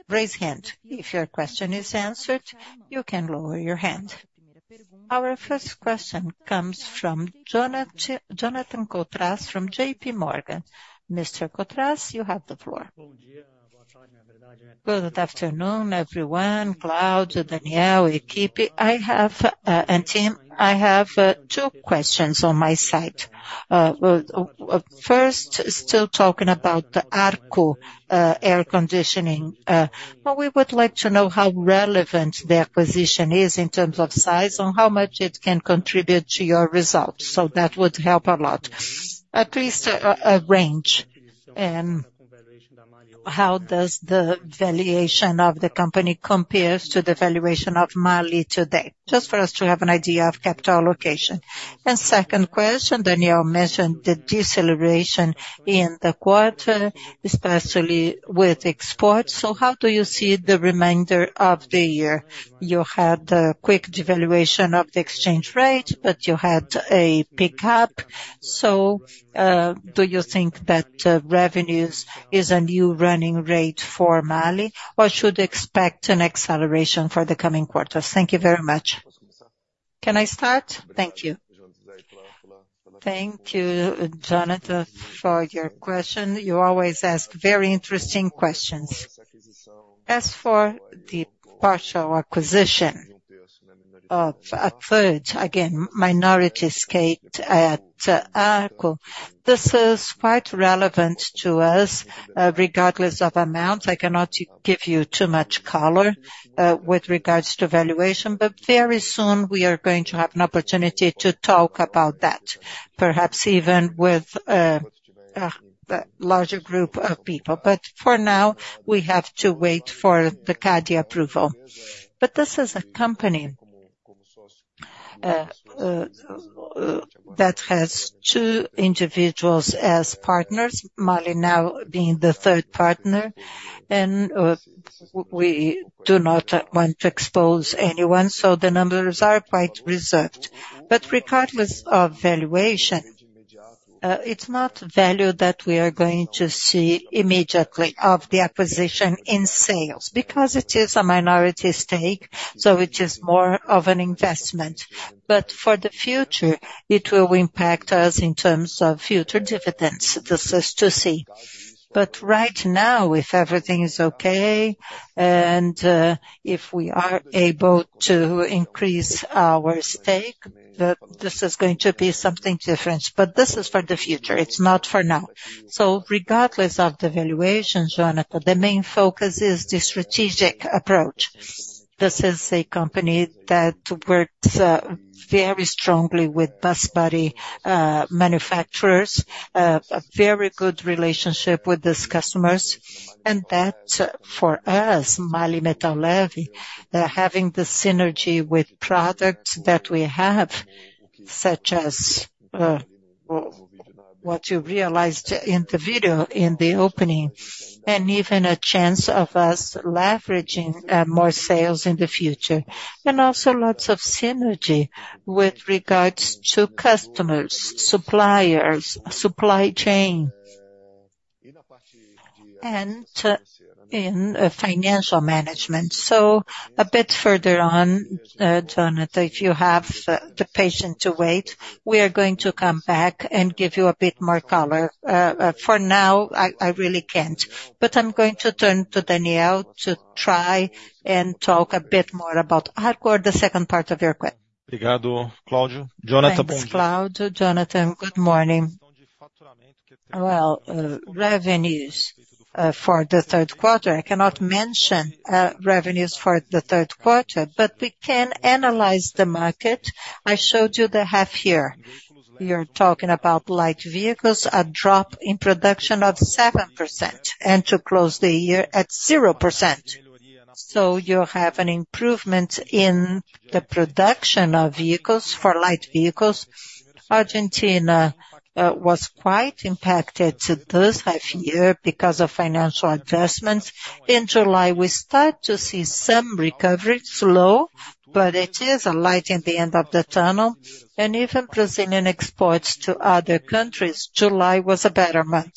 Raise Hand. If your question is answered, you can lower your hand. Our first question comes from Jonathan Koutras from J.P. Morgan. Mr. Koutras, you have the floor. Good afternoon, everyone, Cláudio, Daniel, equipe. I have and team, I have two questions on my side. First, still talking about the Arco air conditioning, but we would like to know how relevant the acquisition is in terms of size and how much it can contribute to your results. So that would help a lot. At least a range. And how does the valuation of the company compares to the valuation of MAHLE today? Just for us to have an idea of capital allocation. And second question, Daniel mentioned the deceleration in the quarter, especially with exports. So how do you see the remainder of the year? You had a quick devaluation of the exchange rate, but you had a pickup. So do you think that revenues is a new running rate for MAHLE, or should expect an acceleration for the coming quarters? Thank you very much. Can I start? Thank you. Thank you, Jonathan, for your question. You always ask very interesting questions. As for the partial acquisition of a third, again, minority stake at Arco, this is quite relevant to us, regardless of amount. I cannot give you too much color, with regards to valuation, but very soon we are going to have an opportunity to talk about that, perhaps even with the larger group of people. But for now, we have to wait for the CADE approval. But this is a company that has two individuals as partners, MAHLE now being the third partner, and we do not want to expose anyone, so the numbers are quite reserved. But regardless of valuation, it's not value that we are going to see immediately of the acquisition in sales, because it is a minority stake, so it is more of an investment. But for the future, it will impact us in terms of future dividends. This is to see. But right now, if everything is okay, and if we are able to increase our stake, this is going to be something different. But this is for the future, it's not for now. So regardless of the valuation, Jonathan, the main focus is the strategic approach. This is a company that works very strongly with bus body manufacturers, a very good relationship with these customers, and that for us, MAHLE Metal Leve, they're having the synergy with products that we have, such as what you realized in the video in the opening, and even a chance of us leveraging more sales in the future. And also lots of synergy with regards to customers, suppliers, supply chain, and to in financial management. So a bit further on, Jonathan, if you have the patience to wait, we are going to come back and give you a bit more color. For now, I really can't. But I'm going to turn to Daniel to try and talk a bit more about Arco, the second part of your question.... Thanks, Cláudio. Jonathan, good morning. Well, revenues for the third quarter, I cannot mention revenues for the third quarter, but we can analyze the market. I showed you the half year. We are talking about light vehicles, a drop in production of 7%, and to close the year at 0%. So you have an improvement in the production of vehicles, for light vehicles. Argentina was quite impacted to this half year because of financial adjustments. In July, we start to see some recovery, slow, but it is a light in the end of the tunnel. And even Brazilian exports to other countries, July was a better month.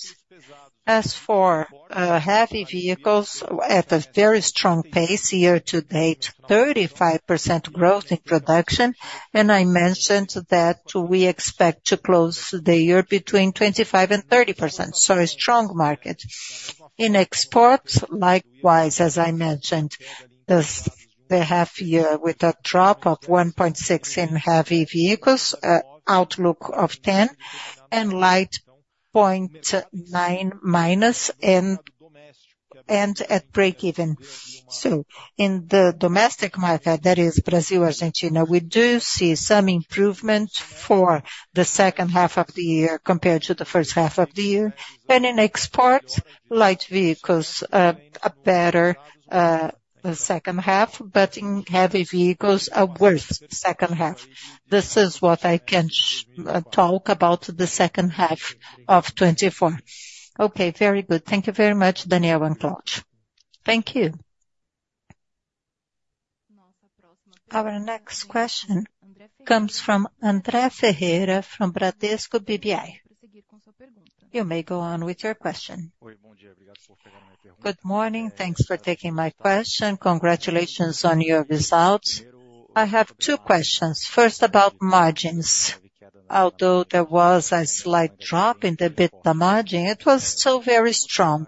As for heavy vehicles, at a very strong pace year to date, 35% growth in production, and I mentioned that we expect to close the year between 25% and 30%. So a strong market. In exports, likewise, as I mentioned, this, the half year with a drop of 1.6 in heavy vehicles, outlook of 10, and light -0.9 and at break even. So in the domestic market, that is Brazil, Argentina, we do see some improvement for the second half of the year compared to the first half of the year. In exports, light vehicles, a better second half, but in heavy vehicles, a worse second half. This is what I can talk about the second half of 2024. Okay, very good. Thank you very much, Daniel and Cláudio. Thank you. Our next question comes from André Ferreira from Bradesco BBI. You may go on with your question. Good morning. Thanks for taking my question. Congratulations on your results. I have two questions. First, about margins. Although there was a slight drop in the EBITDA margin, it was still very strong.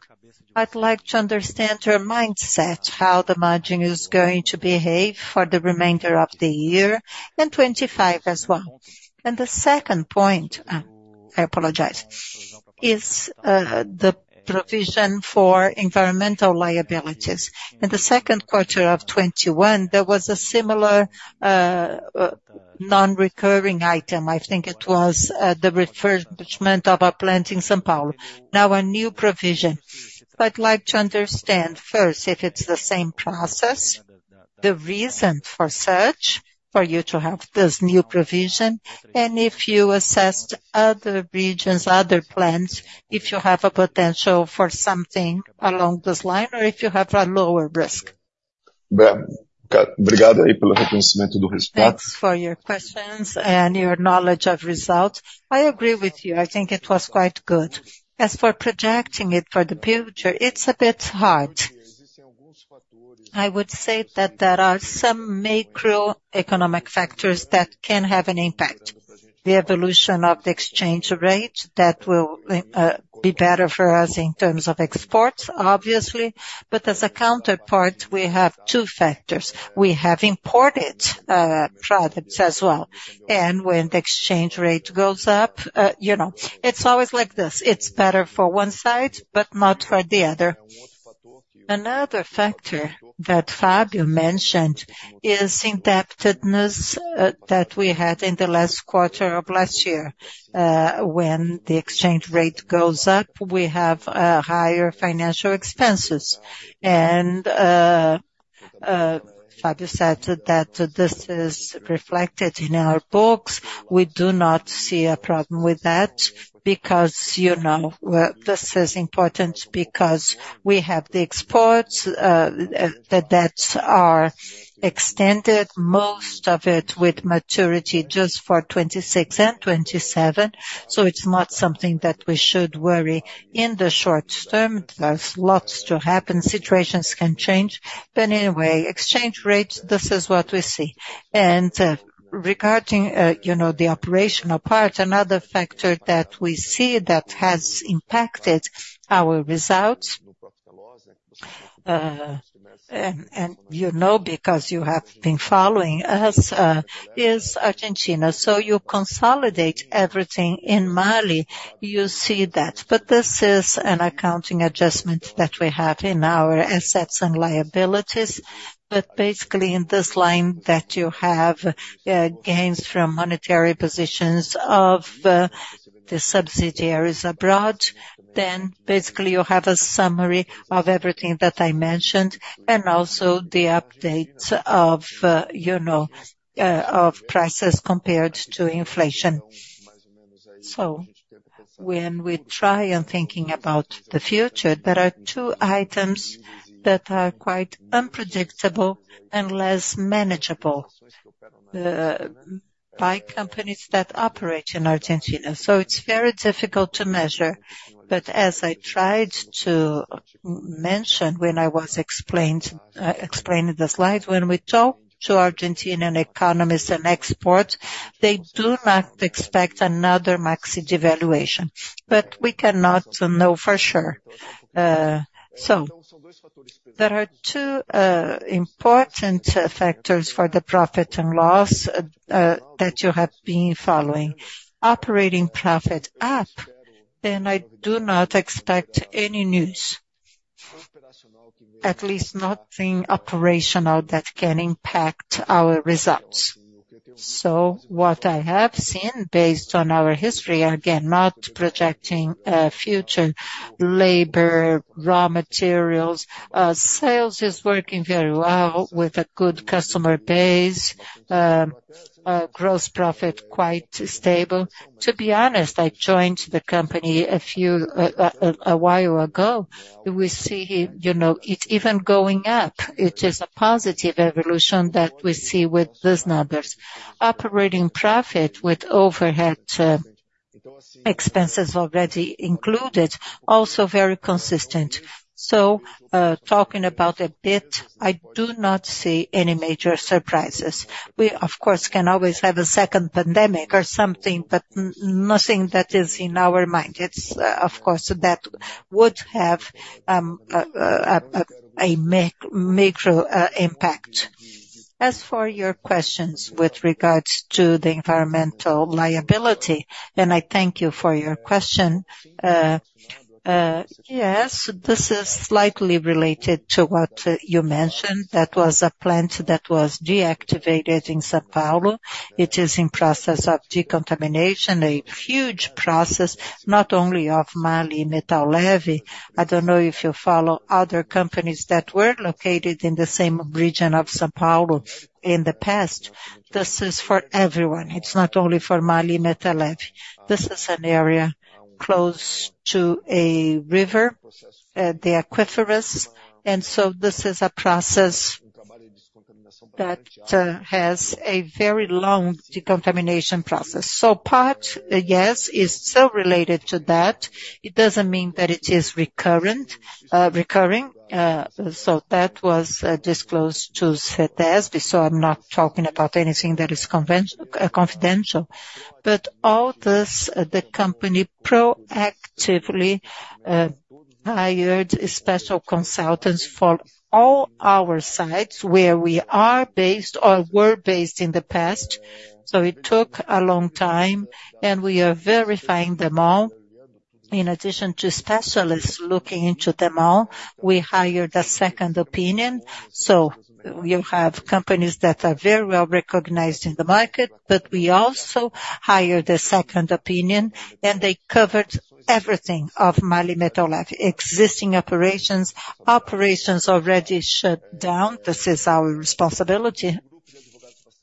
I'd like to understand your mindset, how the margin is going to behave for the remainder of the year, and 2025 as well. And the second point, I apologize, is, the provision for environmental liabilities. In the second quarter of 2021, there was a similar, non-recurring item. I think it was, the refurbishment of a plant in São Paulo. Now, a new provision. I'd like to understand first, if it's the same process, the reason for such, for you to have this new provision, and if you assessed other regions, other plants, if you have a potential for something along this line, or if you have a lower risk. Thanks for your questions and your knowledge of results. I agree with you, I think it was quite good. As for projecting it for the future, it's a bit hard. I would say that there are some macroeconomic factors that can have an impact. The evolution of the exchange rate, that will be better for us in terms of exports, obviously, but as a counterpart, we have two factors. We have imported products as well, and when the exchange rate goes up, you know, it's always like this, it's better for one side, but not for the other. Another factor that Fábio mentioned is indebtedness that we had in the last quarter of last year. When the exchange rate goes up, we have higher financial expenses. Fábio said that this is reflected in our books. We do not see a problem with that because, you know, well, this is important because we have the exports, the debts are extended, most of it with maturity just for 2026 and 2027, so it's not something that we should worry in the short term. There's lots to happen, situations can change. But anyway, exchange rates, this is what we see. And, regarding, you know, the operational part, another factor that we see that has impacted our results, and you know, because you have been following us, is Argentina. So you consolidate everything in MAHLE, you see that. But this is an accounting adjustment that we have in our assets and liabilities. But basically, in this line that you have, gains from monetary positions of the subsidiaries abroad, then basically you have a summary of everything that I mentioned and also the updates of, you know, of prices compared to inflation. So when we try to think about the future, there are two items that are quite unpredictable and less manageable by companies that operate in Argentina. So it's very difficult to measure. But as I tried to mention when I was explaining the slides, when we talk to Argentine economists and experts, they do not expect another maxi devaluation, but we cannot know for sure. So there are two important factors for the profit and loss that you have been following. Operating profit up, and I do not expect any news, at least nothing operational that can impact our results. So what I have seen, based on our history, again, not projecting, future labor, raw materials, sales is working very well with a good customer base. Gross profit, quite stable. To be honest, I joined the company a few, a while ago. We see, you know, it's even going up. It is a positive evolution that we see with these numbers. Operating profit with overhead, expenses already included, also very consistent. So, talking about a bit, I do not see any major surprises. We, of course, can always have a second pandemic or something, but nothing that is in our mind. It's, of course, that would have, a, a macro, impact. As for your questions with regards to the environmental liability, and I thank you for your question. Yes, this is slightly related to what you mentioned. That was a plant that was deactivated in São Paulo. It is in process of decontamination, a huge process, not only of MAHLE Metal Leve. I don't know if you follow other companies that were located in the same region of São Paulo in the past. This is for everyone. It's not only for MAHLE Metal Leve. This is an area close to a river, the aquifers, and so this is a process that has a very long decontamination process. So part, yes, is still related to that. It doesn't mean that it is recurrent, recurring. So that was disclosed to CETESB, so I'm not talking about anything that is conven-- confidential. But all this, the company proactively hired special consultants for all our sites where we are based or were based in the past. So it took a long time, and we are verifying them all. In addition to specialists looking into them all, we hired a second opinion. So you have companies that are very well-recognized in the market, but we also hired a second opinion, and they covered everything of MAHLE Metal Leve. Existing operations, operations already shut down, this is our responsibility,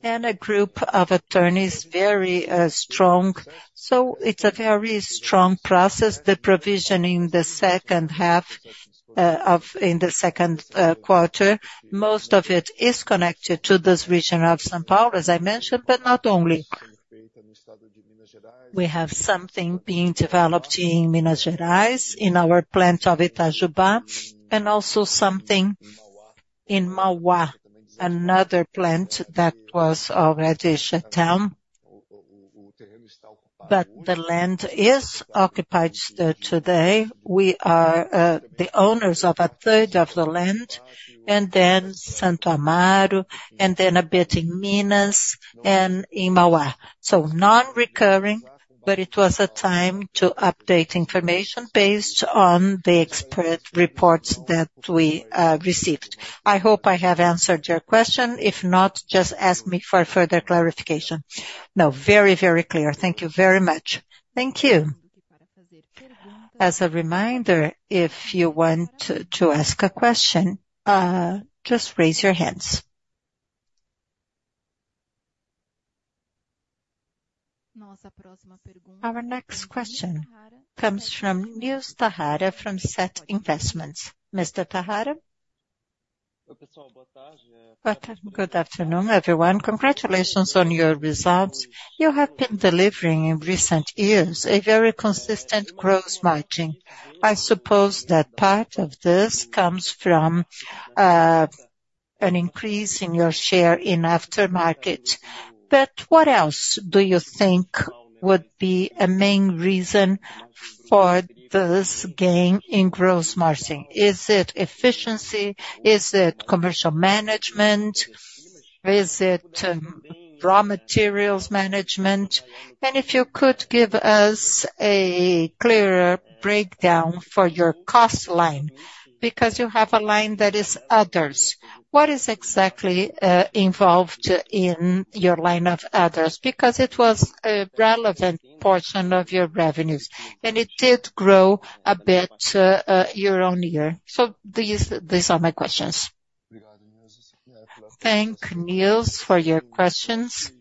and a group of attorneys, very strong. So it's a very strong process. The provisioning the second half of... In the second quarter, most of it is connected to this region of São Paulo, as I mentioned, but not only. We have something being developed in Minas Gerais, in our plant of Itajubá, and also something in Mauá, another plant that was already shut down. But the land is occupied still today. We are the owners of a third of the land, and then Santo Amaro, and then a bit in Minas and in Mauá. So non-recurring, but it was a time to update information based on the expert reports that we received. I hope I have answered your question. If not, just ask me for further clarification. No, very, very clear. Thank you very much. Thank you. As a reminder, if you want to ask a question, just raise your hands. Our next question comes from Niels Tahara from Safra. Mr. Tahara? Good afternoon, everyone. Congratulations on your results. You have been delivering in recent years a very consistent gross margin. I suppose that part of this comes from an increase in your share in aftermarket. But what else do you think would be a main reason for this gain in gross margin? Is it efficiency? Is it commercial management? Is it raw materials management? And if you could give us a clearer breakdown for your cost line, because you have a line that is others. What is exactly involved in your line of others? Because it was a relevant portion of your revenues, and it did grow a bit year-on-year. So these are my questions. Thanks, Niels, for your questions.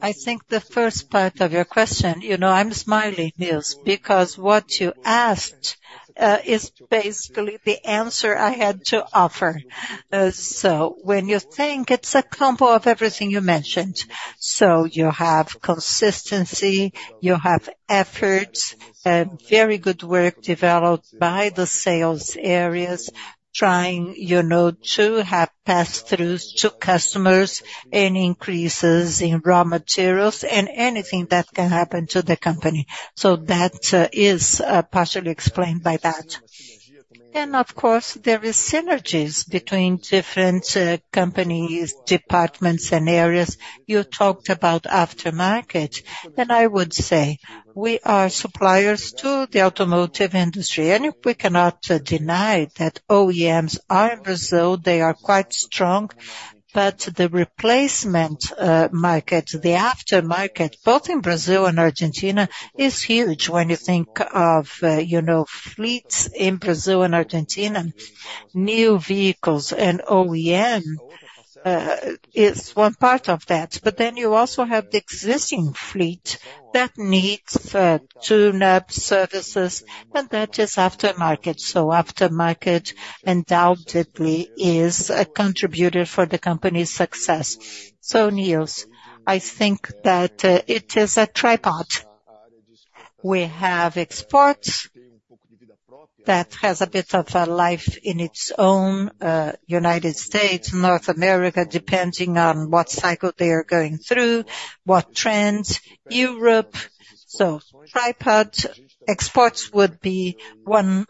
I think the first part of your question, you know, I'm smiling, Niels, because what you asked is basically the answer I had to offer. So when you think it's a combo of everything you mentioned, so you have consistency, you have efforts, very good work developed by the sales areas, trying, you know, to have pass-throughs to customers and increases in raw materials and anything that can happen to the company. So that is partially explained by that. Then, of course, there is synergies between different companies, departments, and areas. You talked about aftermarket, and I would say we are suppliers to the automotive industry, and we cannot deny that OEMs are in Brazil, they are quite strong. But the replacement market, the aftermarket, both in Brazil and Argentina, is huge when you think of, you know, fleets in Brazil and Argentina, new vehicles and OEM, is one part of that. But then you also have the existing fleet that needs tune-up services, and that is aftermarket. So aftermarket, undoubtedly, is a contributor for the company's success. So Niels, I think that, it is a tripod. We have exports that has a bit of a life in its own, United States, North America, depending on what cycle they are going through, what trends, Europe. So tripod, exports would be one,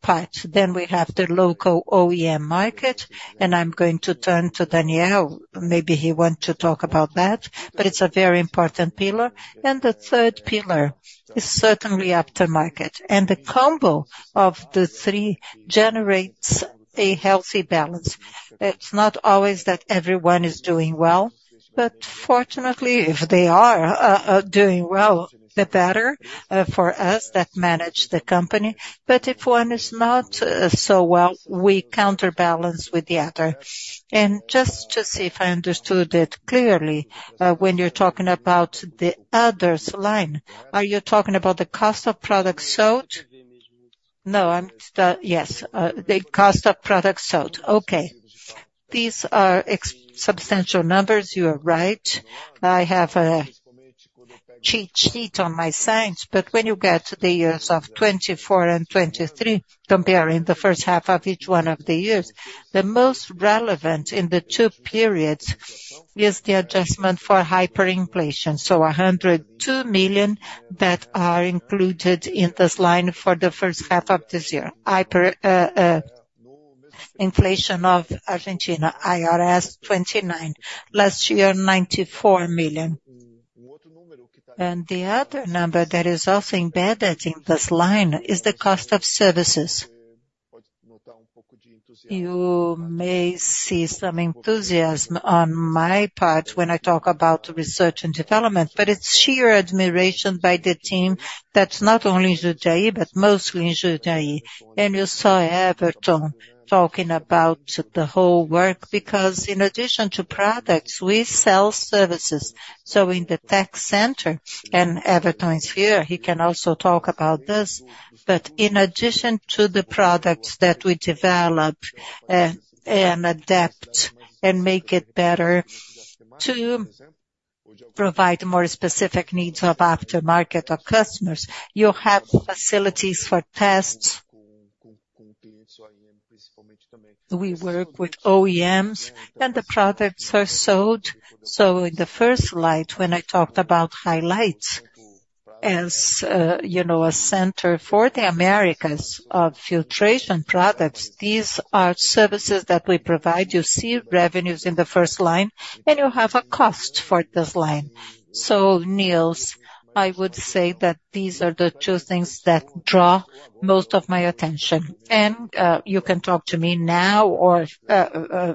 part. Then we have the local OEM market, and I'm going to turn to Daniel. Maybe he want to talk about that, but it's a very important pillar. And the third pillar is certainly aftermarket. The combo of the three generates a healthy balance. It's not always that everyone is doing well, but fortunately, if they are doing well, the better for us that manage the company. But if one is not so well, we counterbalance with the other. And just to see if I understood it clearly, when you're talking about the others line, are you talking about the cost of products sold? No, I'm-- yes, the cost of products sold. Okay. These are substantial numbers, you are right. I have a cheat sheet on my side, but when you get to the years of 2024 and 2023, comparing the first half of each one of the years, the most relevant in the two periods is the adjustment for hyperinflation. So 102 million that are included in this line for the first half of this year. Hyperinflation of Argentina, 29 million. Last year, 94 million. And the other number that is also embedded in this line is the cost of services. You may see some enthusiasm on my part when I talk about research and development, but it's sheer admiration by the team that's not only in Jundiaí, but mostly in Jundiaí. And you saw Everton talking about the whole work, because in addition to products, we sell services. So in the tech center, and Everton is here, he can also talk about this. But in addition to the products that we develop, and adapt and make it better to provide more specific needs of aftermarket or customers. You have facilities for tests. We work with OEMs, and the products are sold. In the first slide, when I talked about highlights, as you know, a center for the Americas of filtration products, these are services that we provide. You see revenues in the first line, and you have a cost for this line. Niels, I would say that these are the two things that draw most of my attention. And you can talk to me now or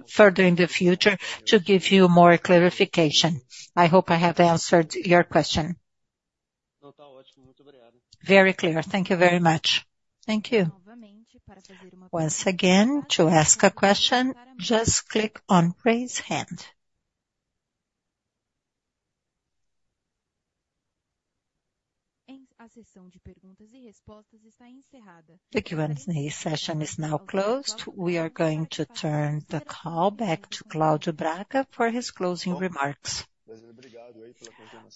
further in the future to give you more clarification. I hope I have answered your question. Very clear. Thank you very much. Thank you. Once again, to ask a question, just click on Raise Hand. The Q&A session is now closed. We are going to turn the call back to Cláudio Braga for his closing remarks.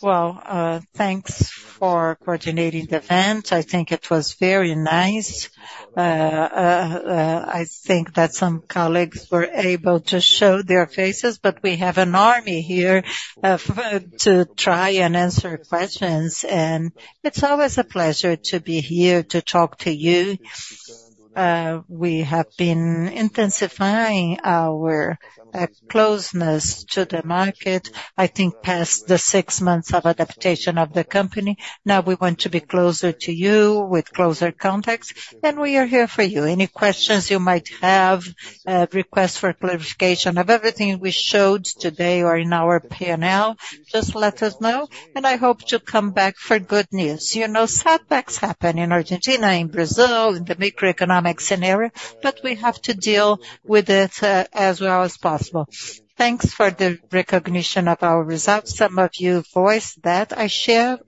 Well, thanks for coordinating the event. I think it was very nice. I think that some colleagues were able to show their faces, but we have an army here to try and answer questions, and it's always a pleasure to be here to talk to you. We have been intensifying our closeness to the market, I think, past the six months of adaptation of the company. Now we want to be closer to you with closer contacts, and we are here for you. Any questions you might have, requests for clarification of everything we showed today or in our P&L, just let us know, and I hope to come back for good news. You know, setbacks happen in Argentina, in Brazil, in the macroeconomic scenario, but we have to deal with it as well as possible. Thanks for the recognition of our results. Some of you voiced that. I share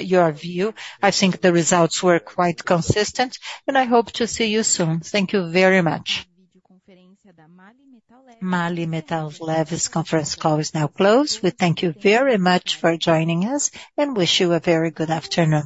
your view. I think the results were quite consistent, and I hope to see you soon. Thank you very much. MAHLE Metal Leve's conference call is now closed. We thank you very much for joining us, and wish you a very good afternoon.